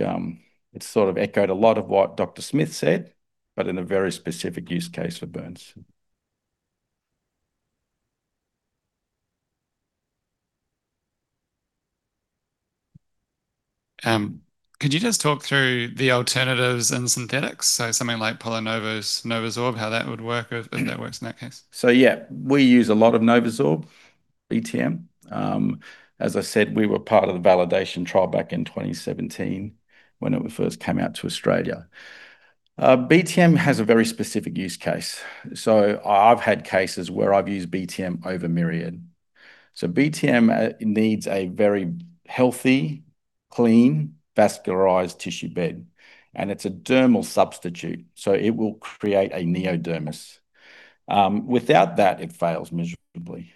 it sort of echoed a lot of what Dr. Smith said, but in a very specific use case for burns. Could you just talk through the alternatives and synthetics? Something like Polynova's Novasorb, how that would work, if that works in that case. Yeah, we use a lot of Novasorb, BTM. As I said, we were part of the validation trial back in 2017 when it first came out to Australia. BTM has a very specific use case. I've had cases where I've used BTM over Myriad. BTM needs a very healthy, clean, vascularized tissue bed. It's a dermal substitute. It will create a neodermis. Without that, it fails miserably.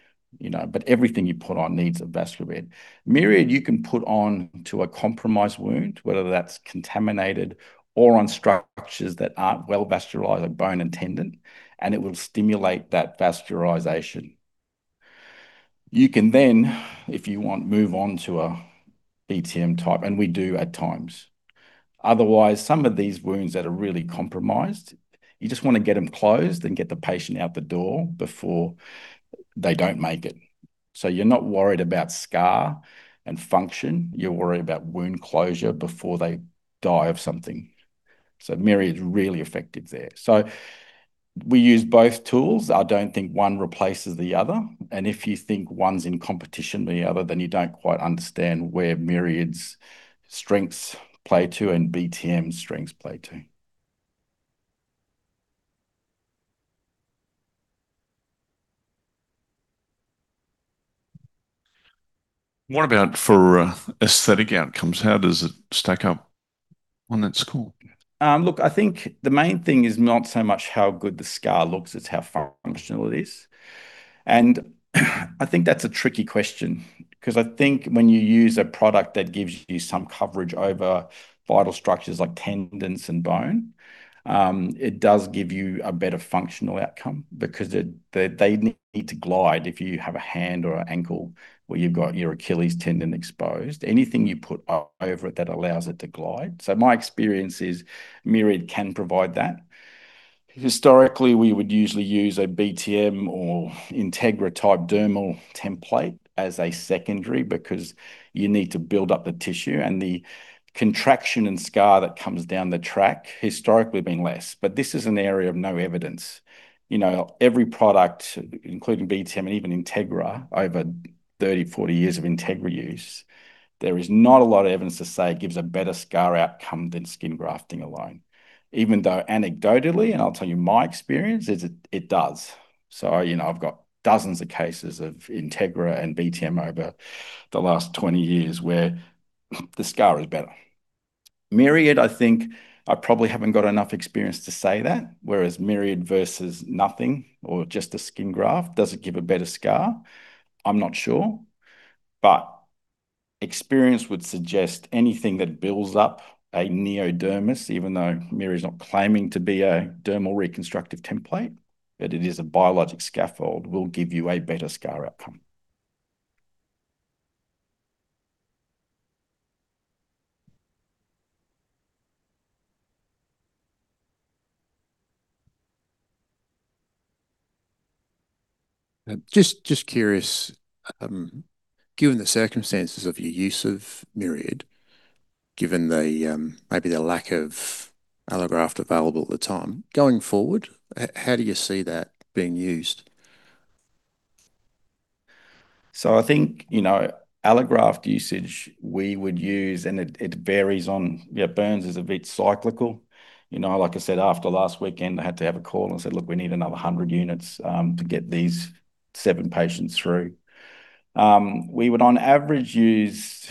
Everything you put on needs a vascular bed. Myriad, you can put on to a compromised wound, whether that's contaminated or on structures that aren't well vascularized, like bone and tendon, and it will stimulate that vascularization. You can then, if you want, move on to a BTM type, and we do at times. Otherwise, some of these wounds that are really compromised, you just want to get them closed and get the patient out the door before they don't make it. You're not worried about scar and function. You're worried about wound closure before they die of something. Myriad's really effective there. We use both tools. I don't think one replaces the other. If you think one's in competition with the other, then you don't quite understand where Myriad's strengths play to and BTM's strengths play to. What about for aesthetic outcomes? How does it stack up on that score? Look, I think the main thing is not so much how good the scar looks, it's how functional it is. I think that's a tricky question because I think when you use a product that gives you some coverage over vital structures like tendons and bone, it does give you a better functional outcome because they need to glide if you have a hand or an ankle where you've got your Achilles tendon exposed. Anything you put over it that allows it to glide. My experience is Myriad can provide that. Historically, we would usually use a BTM or Integra type dermal template as a secondary because you need to build up the tissue. The contraction and scar that comes down the track historically been less. This is an area of no evidence. Every product, including BTM and even Integra, over 30-40 years of Integra use, there is not a lot of evidence to say it gives a better scar outcome than skin grafting alone. Even though anecdotally, and I'll tell you my experience, it does. I've got dozens of cases of Integra and BTM over the last 20 years where the scar is better. Myriad, I think I probably haven't got enough experience to say that. Whereas Myriad versus nothing or just a skin graft does not give a better scar, I am not sure. Experience would suggest anything that builds up a neodermis, even though Myriad is not claiming to be a dermal reconstructive template, that it is a biologic scaffold, will give you a better scar outcome. Just curious, given the circumstances of your use of Myriad, given maybe the lack of allograft available at the time, going forward, how do you see that being used? I think allograft usage we would use, and it varies on. Yeah, burns is a bit cyclical. Like I said, after last weekend, I had to have a call and said, "Look, we need another 100 units to get these seven patients through." We would on average use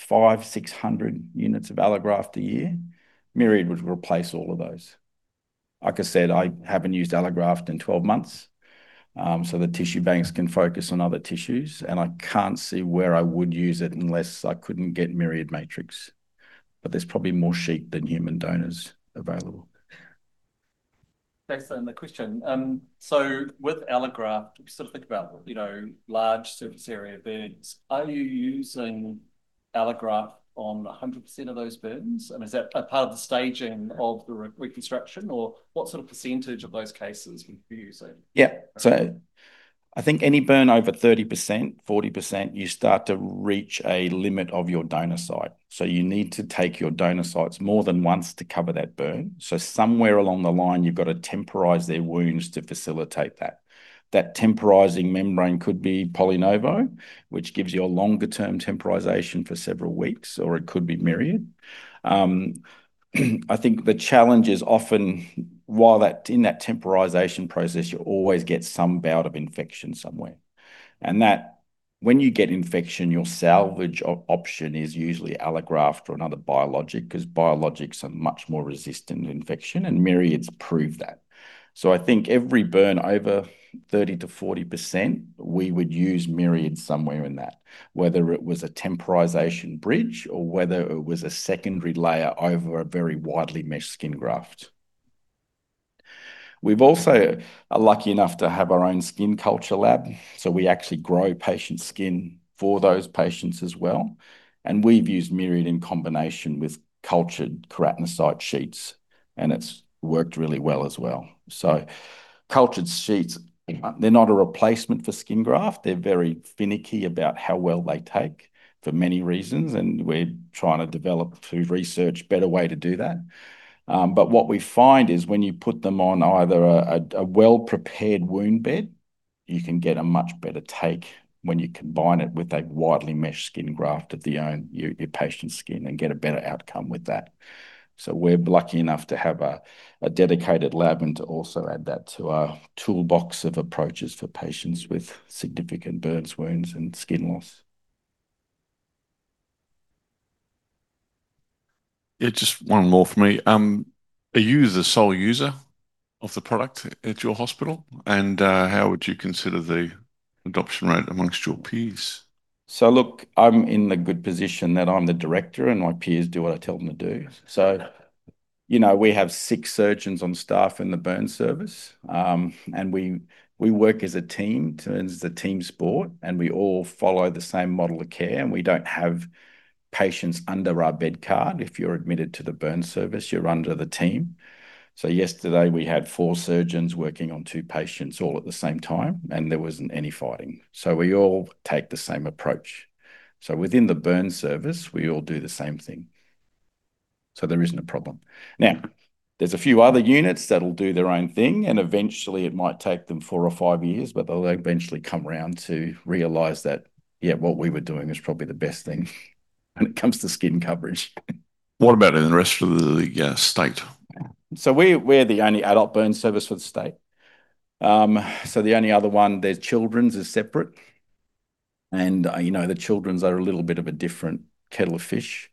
500-600 units of allograft a year. Myriad would replace all of those. Like I said, I haven't used allograft in 12 months. The tissue banks can focus on other tissues. I can't see where I would use it unless I couldn't get Myriad Matrix. There's probably more sheep than human donors available. Thanks for the question. With allograft, if you sort of think about large surface area burns, are you using allograft on 100% of those burns? Is that a part of the staging of the reconstruction? What sort of percentage of those cases would you be using? Yeah. I think any burn over 30%, 40%, you start to reach a limit of your donor site. You need to take your donor sites more than once to cover that burn. Somewhere along the line, you've got to temporize their wounds to facilitate that. That temporizing membrane could be Polynova, which gives you a longer-term temporization for several weeks, or it could be Myriad. I think the challenge is often while that in that temporization process, you always get some bout of infection somewhere. When you get infection, your salvage option is usually allograft or another biologic because biologics are much more resistant to infection, and Myriad's proved that. I think every burn over 30-40%, we would use Myriad somewhere in that, whether it was a temporization bridge or whether it was a secondary layer over a very widely meshed skin graft. We've also are lucky enough to have our own skin culture lab. We actually grow patient skin for those patients as well. We've used Myriad in combination with cultured keratinocyte sheets, and it's worked really well as well. Cultured sheets, they're not a replacement for skin graft. They're very finicky about how well they take for many reasons. We're trying to develop through research a better way to do that. What we find is when you put them on either a well-prepared wound bed, you can get a much better take when you combine it with a widely meshed skin graft of the own patient skin and get a better outcome with that. We're lucky enough to have a dedicated lab and to also add that to our toolbox of approaches for patients with significant burns, wounds, and skin loss. Yeah, just one more for me. Are you the sole user of the product at your hospital? How would you consider the adoption rate amongst your peers? Look, I'm in the good position that I'm the director and my peers do what I tell them to do. We have six surgeons on staff in the burn service. We work as a team. It's a team sport. We all follow the same model of care. We don't have patients under our bedcard. If you're admitted to the burn service, you're under the team. Yesterday, we had four surgeons working on two patients all at the same time, and there wasn't any fighting. We all take the same approach. Within the burn service, we all do the same thing. There isn't a problem. Now, there's a few other units that'll do their own thing. Eventually, it might take them four or five years, but they'll eventually come around to realize that, yeah, what we were doing is probably the best thing when it comes to skin coverage. What about in the rest of the state? We are the only adult burn service for the state. The only other one, their children's, is separate. The children's are a little bit of a different kettle of fish.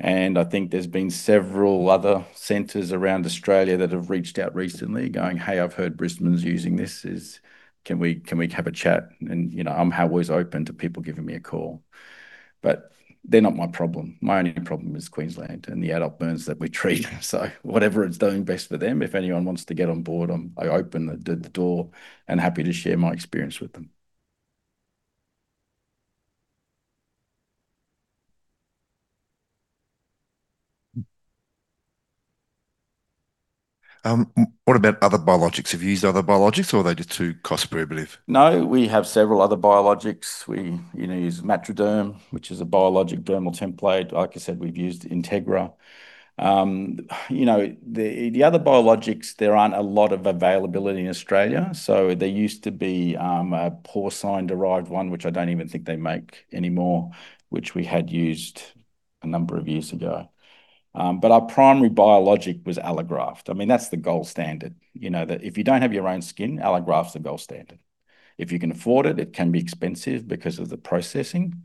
I think there have been several other centers around Australia that have reached out recently going, "Hey, I've heard Brisbane's using this. Can we have a chat?" I am always open to people giving me a call. They are not my problem. My only problem is Queensland and the adult burns that we treat. Whatever is doing best for them, if anyone wants to get on board, I open the door and happy to share my experience with them. What about other biologics? Have you used other biologics, or are they just too cost prohibitive? No, we have several other biologics. We use Matroderm, which is a biologic dermal template. Like I said, we've used Integra. The other biologics, there aren't a lot of availability in Australia. There used to be a porcine-derived one, which I do not even think they make anymore, which we had used a number of years ago. Our primary biologic was allograft. I mean, that's the gold standard. If you do not have your own skin, allograft's the gold standard. If you can afford it, it can be expensive because of the processing.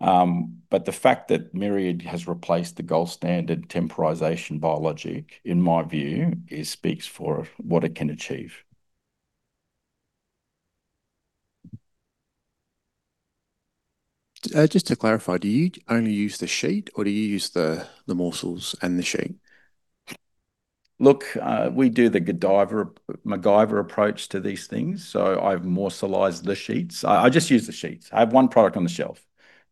But the fact that Myriad has replaced the gold standard temporization biologic, in my view, speaks for what it can achieve. Just to clarify, do you only use the sheet, or do you use the morsels and the sheet? Look, we do the McGyver approach to these things. I have morselized the sheets. I just use the sheets. I have one product on the shelf.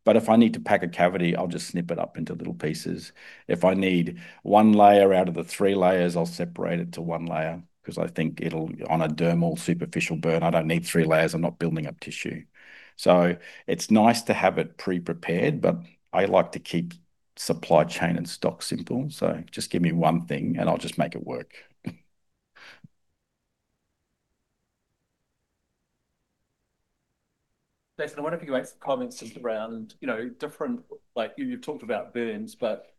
If I need to pack a cavity, I'll just snip it up into little pieces. If I need one layer out of the three layers, I'll separate it to one layer because I think on a dermal superficial burn, I don't need three layers. I'm not building up tissue. It's nice to have it pre-prepared, but I like to keep supply chain and stock simple. Just give me one thing, and I'll just make it work. There's been a lot of comments just around different, you've talked about burns, but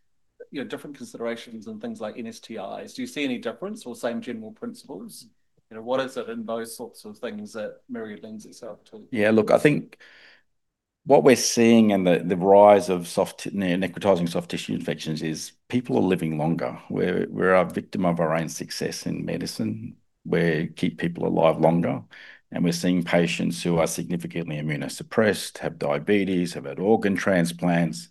different considerations and things like NSTIs. Do you see any difference or same general principles? What is it in those sorts of things that Myriad lends itself to? Yeah, look, I think what we're seeing and the rise of necrotizing soft tissue infections is people are living longer. We're a victim of our own success in medicine. We keep people alive longer. We're seeing patients who are significantly immunosuppressed, have diabetes, have had organ transplants,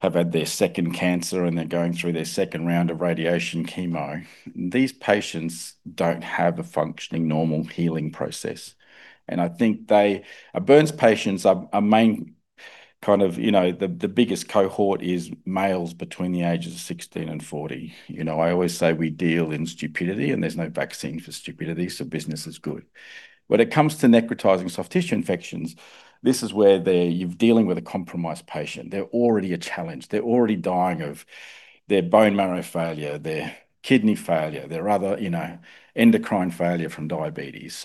have had their second cancer, and they're going through their second round of radiation chemo. These patients don't have a functioning normal healing process. I think burns patients, our main kind of the biggest cohort is males between the ages of 16 and 40. I always say we deal in stupidity, and there's no vaccine for stupidity, so business is good. When it comes to necrotizing soft tissue infections, this is where you're dealing with a compromised patient. They're already a challenge. They're already dying of their bone marrow failure, their kidney failure, their other endocrine failure from diabetes.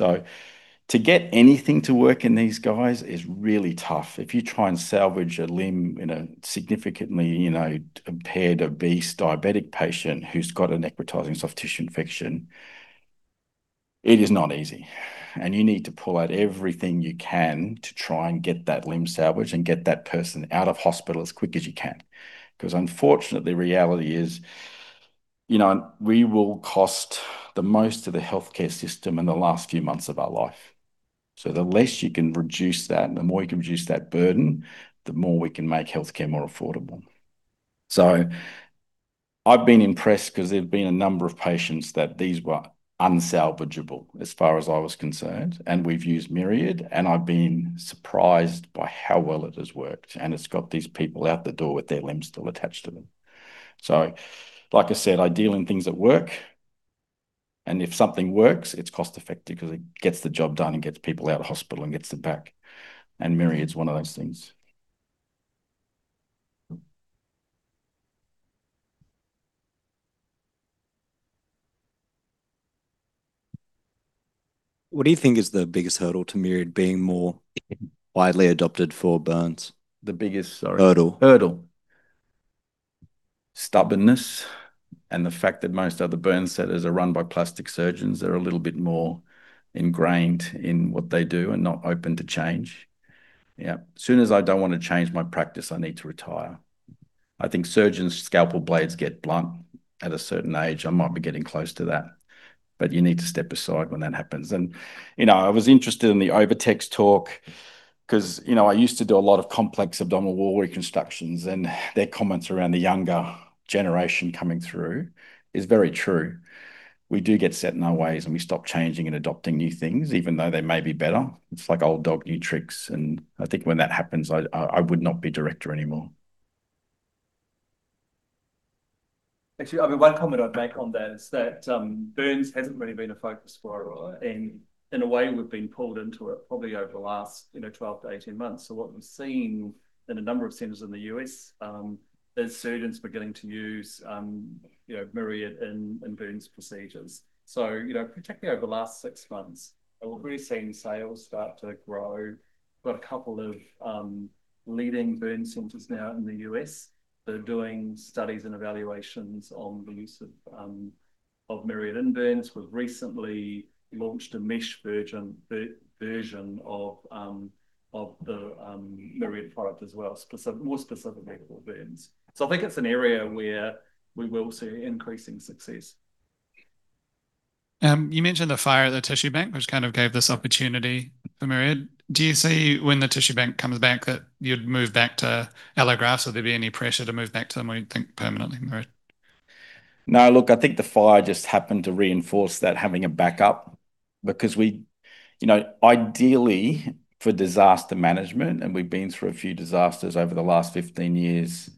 To get anything to work in these guys is really tough. If you try and salvage a limb in a significantly impaired, obese diabetic patient who's got a necrotizing soft tissue infection, it is not easy. You need to pull out everything you can to try and get that limb salvaged and get that person out of hospital as quick as you can. Because unfortunately, the reality is we will cost the most to the healthcare system in the last few months of our life. The less you can reduce that, and the more you can reduce that burden, the more we can make healthcare more affordable. I've been impressed because there've been a number of patients that these were unsalvageable as far as I was concerned. We've used Myriad. I've been surprised by how well it has worked. It's got these people out the door with their limbs still attached to them. Like I said, I deal in things that work. If something works, it's cost-effective because it gets the job done and gets people out of hospital and gets them back. Myriad's one of those things. What do you think is the biggest hurdle to Myriad being more widely adopted for burns? The biggest hurdle? Hurdle. Stubbornness and the fact that most of the burn centers are run by plastic surgeons that are a little bit more ingrained in what they do and not open to change. Yeah. As soon as I do not want to change my practice, I need to retire. I think surgeons' scalpel blades get blunt at a certain age. I might be getting close to that. You need to step aside when that happens. I was interested in the OviTex talk because I used to do a lot of complex abdominal wall reconstructions. Their comments around the younger generation coming through is very true. We do get set in our ways, and we stop changing and adopting new things, even though they may be better. It is like old dog, new tricks. I think when that happens, I would not be director anymore. Actually, I mean, one comment I'd make on that is that burns hasn't really been a focus for a while. In a way, we've been pulled into it probably over the last 12 to 18 months. What we've seen in a number of centers in the US is surgeons beginning to use Myriad in burns procedures. Particularly over the last six months, we've really seen sales start to grow. We've got a couple of leading burn centers now in the US that are doing studies and evaluations on the use of Myriad in burns. We've recently launched a mesh version of the Myriad product as well, more specifically for burns. I think it's an area where we will see increasing success. You mentioned the fire at the Tissue Bank, which kind of gave this opportunity for Myriad. Do you see when the Tissue Bank comes back that you'd move back to allografts? Would there be any pressure to move back to them when you think permanently? No, look, I think the fire just happened to reinforce that having a backup. Because ideally, for disaster management, and we've been through a few disasters over the last 15 years,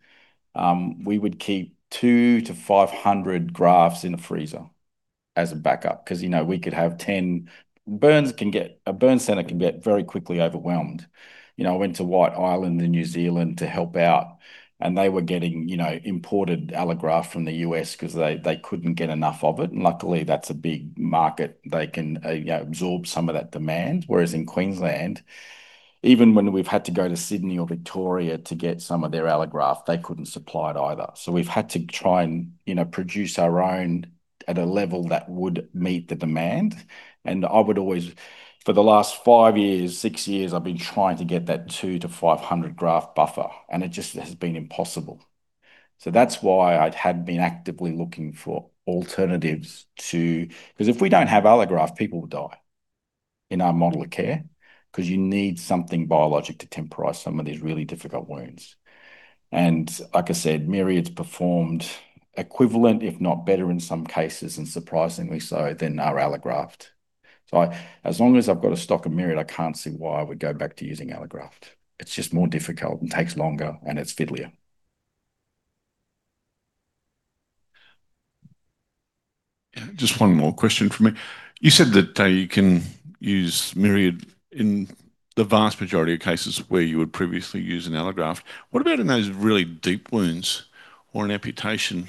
we would keep two to 500 grafts in a freezer as a backup because we could have 10 burns can get a burn center can get very quickly overwhelmed. I went to White Island, New Zealand, to help out. They were getting imported allograft from the US because they couldn't get enough of it. Luckily, that's a big market. They can absorb some of that demand. Whereas in Queensland, even when we've had to go to Sydney or Victoria to get some of their allograft, they couldn't supply it either. We have had to try and produce our own at a level that would meet the demand. I would always, for the last five years, six years, I've been trying to get that two-500 graft buffer. It just has been impossible. That is why I had been actively looking for alternatives too, because if we don't have allograft, people will die in our model of care because you need something biologic to temporize some of these really difficult wounds. Like I said, Myriad's performed equivalent, if not better in some cases, and surprisingly so, than our allograft. As long as I've got a stock of Myriad, I can't see why I would go back to using allograft. It's just more difficult and takes longer, and it's fiddlier. Just one more question from me. You said that you can use Myriad in the vast majority of cases where you would previously use an allograft. What about in those really deep wounds or an amputation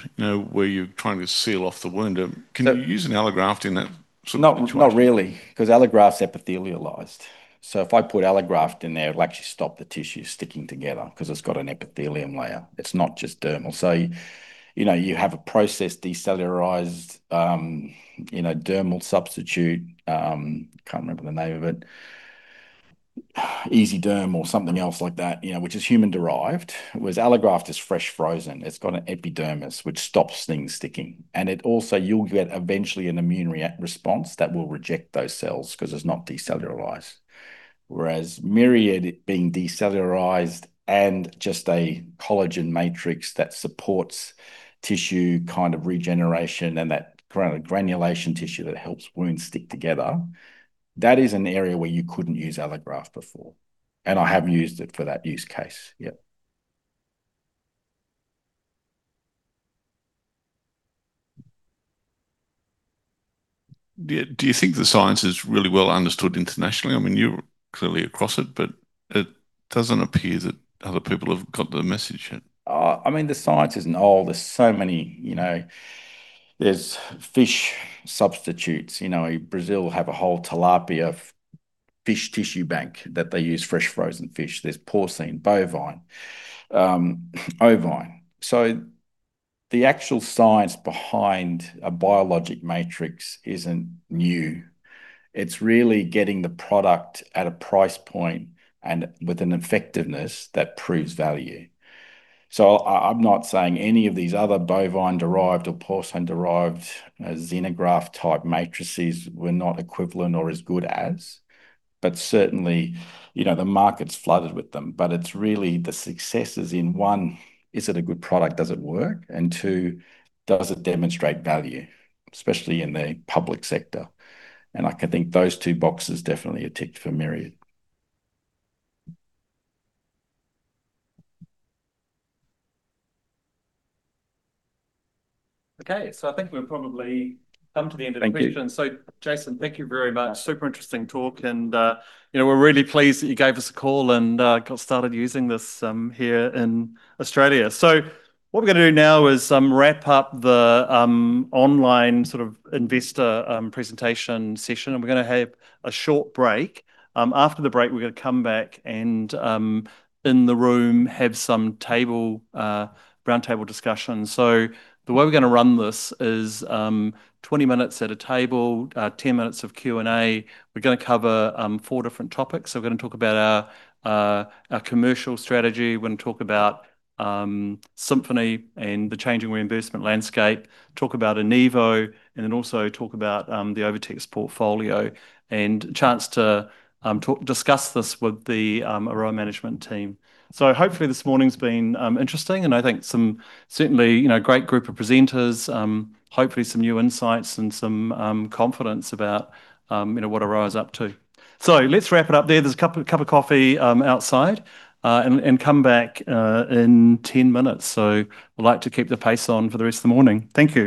where you're trying to seal off the wound? Can you use an allograft in that sort of situation? Not really because allograft's epithelialized. So if I put allograft in there, it'll actually stop the tissue sticking together because it's got an epithelium layer. It's not just dermal. So you have a processed decellularized dermal substitute - I can't remember the name of it - easy derm or something else like that, which is human-derived. Whereas allograft is fresh frozen. It's got an epidermis, which stops things sticking. It also, you'll get eventually an immune response that will reject those cells because it's not decellularized. Whereas Myriad, being decellularized and just a collagen matrix that supports tissue kind of regeneration and that granulation tissue that helps wounds stick together, that is an area where you couldn't use allograft before. I have used it for that use case. Yeah. Do you think the science is really well understood internationally? I mean, you're clearly across it, but it doesn't appear that other people have got the message yet. I mean, the science isn't old. There's so many. There's fish substitutes. Brazil have a whole tilapia fish tissue bank that they use fresh frozen fish. There's porcine, bovine, ovine. The actual science behind a biologic matrix isn't new. It's really getting the product at a price point and with an effectiveness that proves value. I'm not saying any of these other bovine-derived or porcine-derived xenograft-type matrices were not equivalent or as good as. Certainly, the market's flooded with them. It's really the success is in one, is it a good product? Does it work? Two, does it demonstrate value, especially in the public sector? I can think those two boxes definitely are ticked for Myriad. Okay. I think we've probably come to the end of the questions. Jason, thank you very much. Super interesting talk. We're really pleased that you gave us a call and got started using this here in Australia. What we're going to do now is wrap up the online sort of investor presentation session. We're going to have a short break. After the break, we're going to come back and in the room have some roundtable discussions. The way we're going to run this is 20 minutes at a table, 10 minutes of Q&A. We're going to cover four different topics. We're going to talk about our commercial strategy. We're going to talk about Symphony and the changing reimbursement landscape, talk about Enivo, and then also talk about the OviTex portfolio, and a chance to discuss this with the Aroa management team. Hopefully, this morning's been interesting. I think certainly a great group of presenters, hopefully some new insights and some confidence about what Aroa's up to. Let's wrap it up there. There's a cup of coffee outside. Come back in 10 minutes. I'd like to keep the pace on for the rest of the morning. Thank you.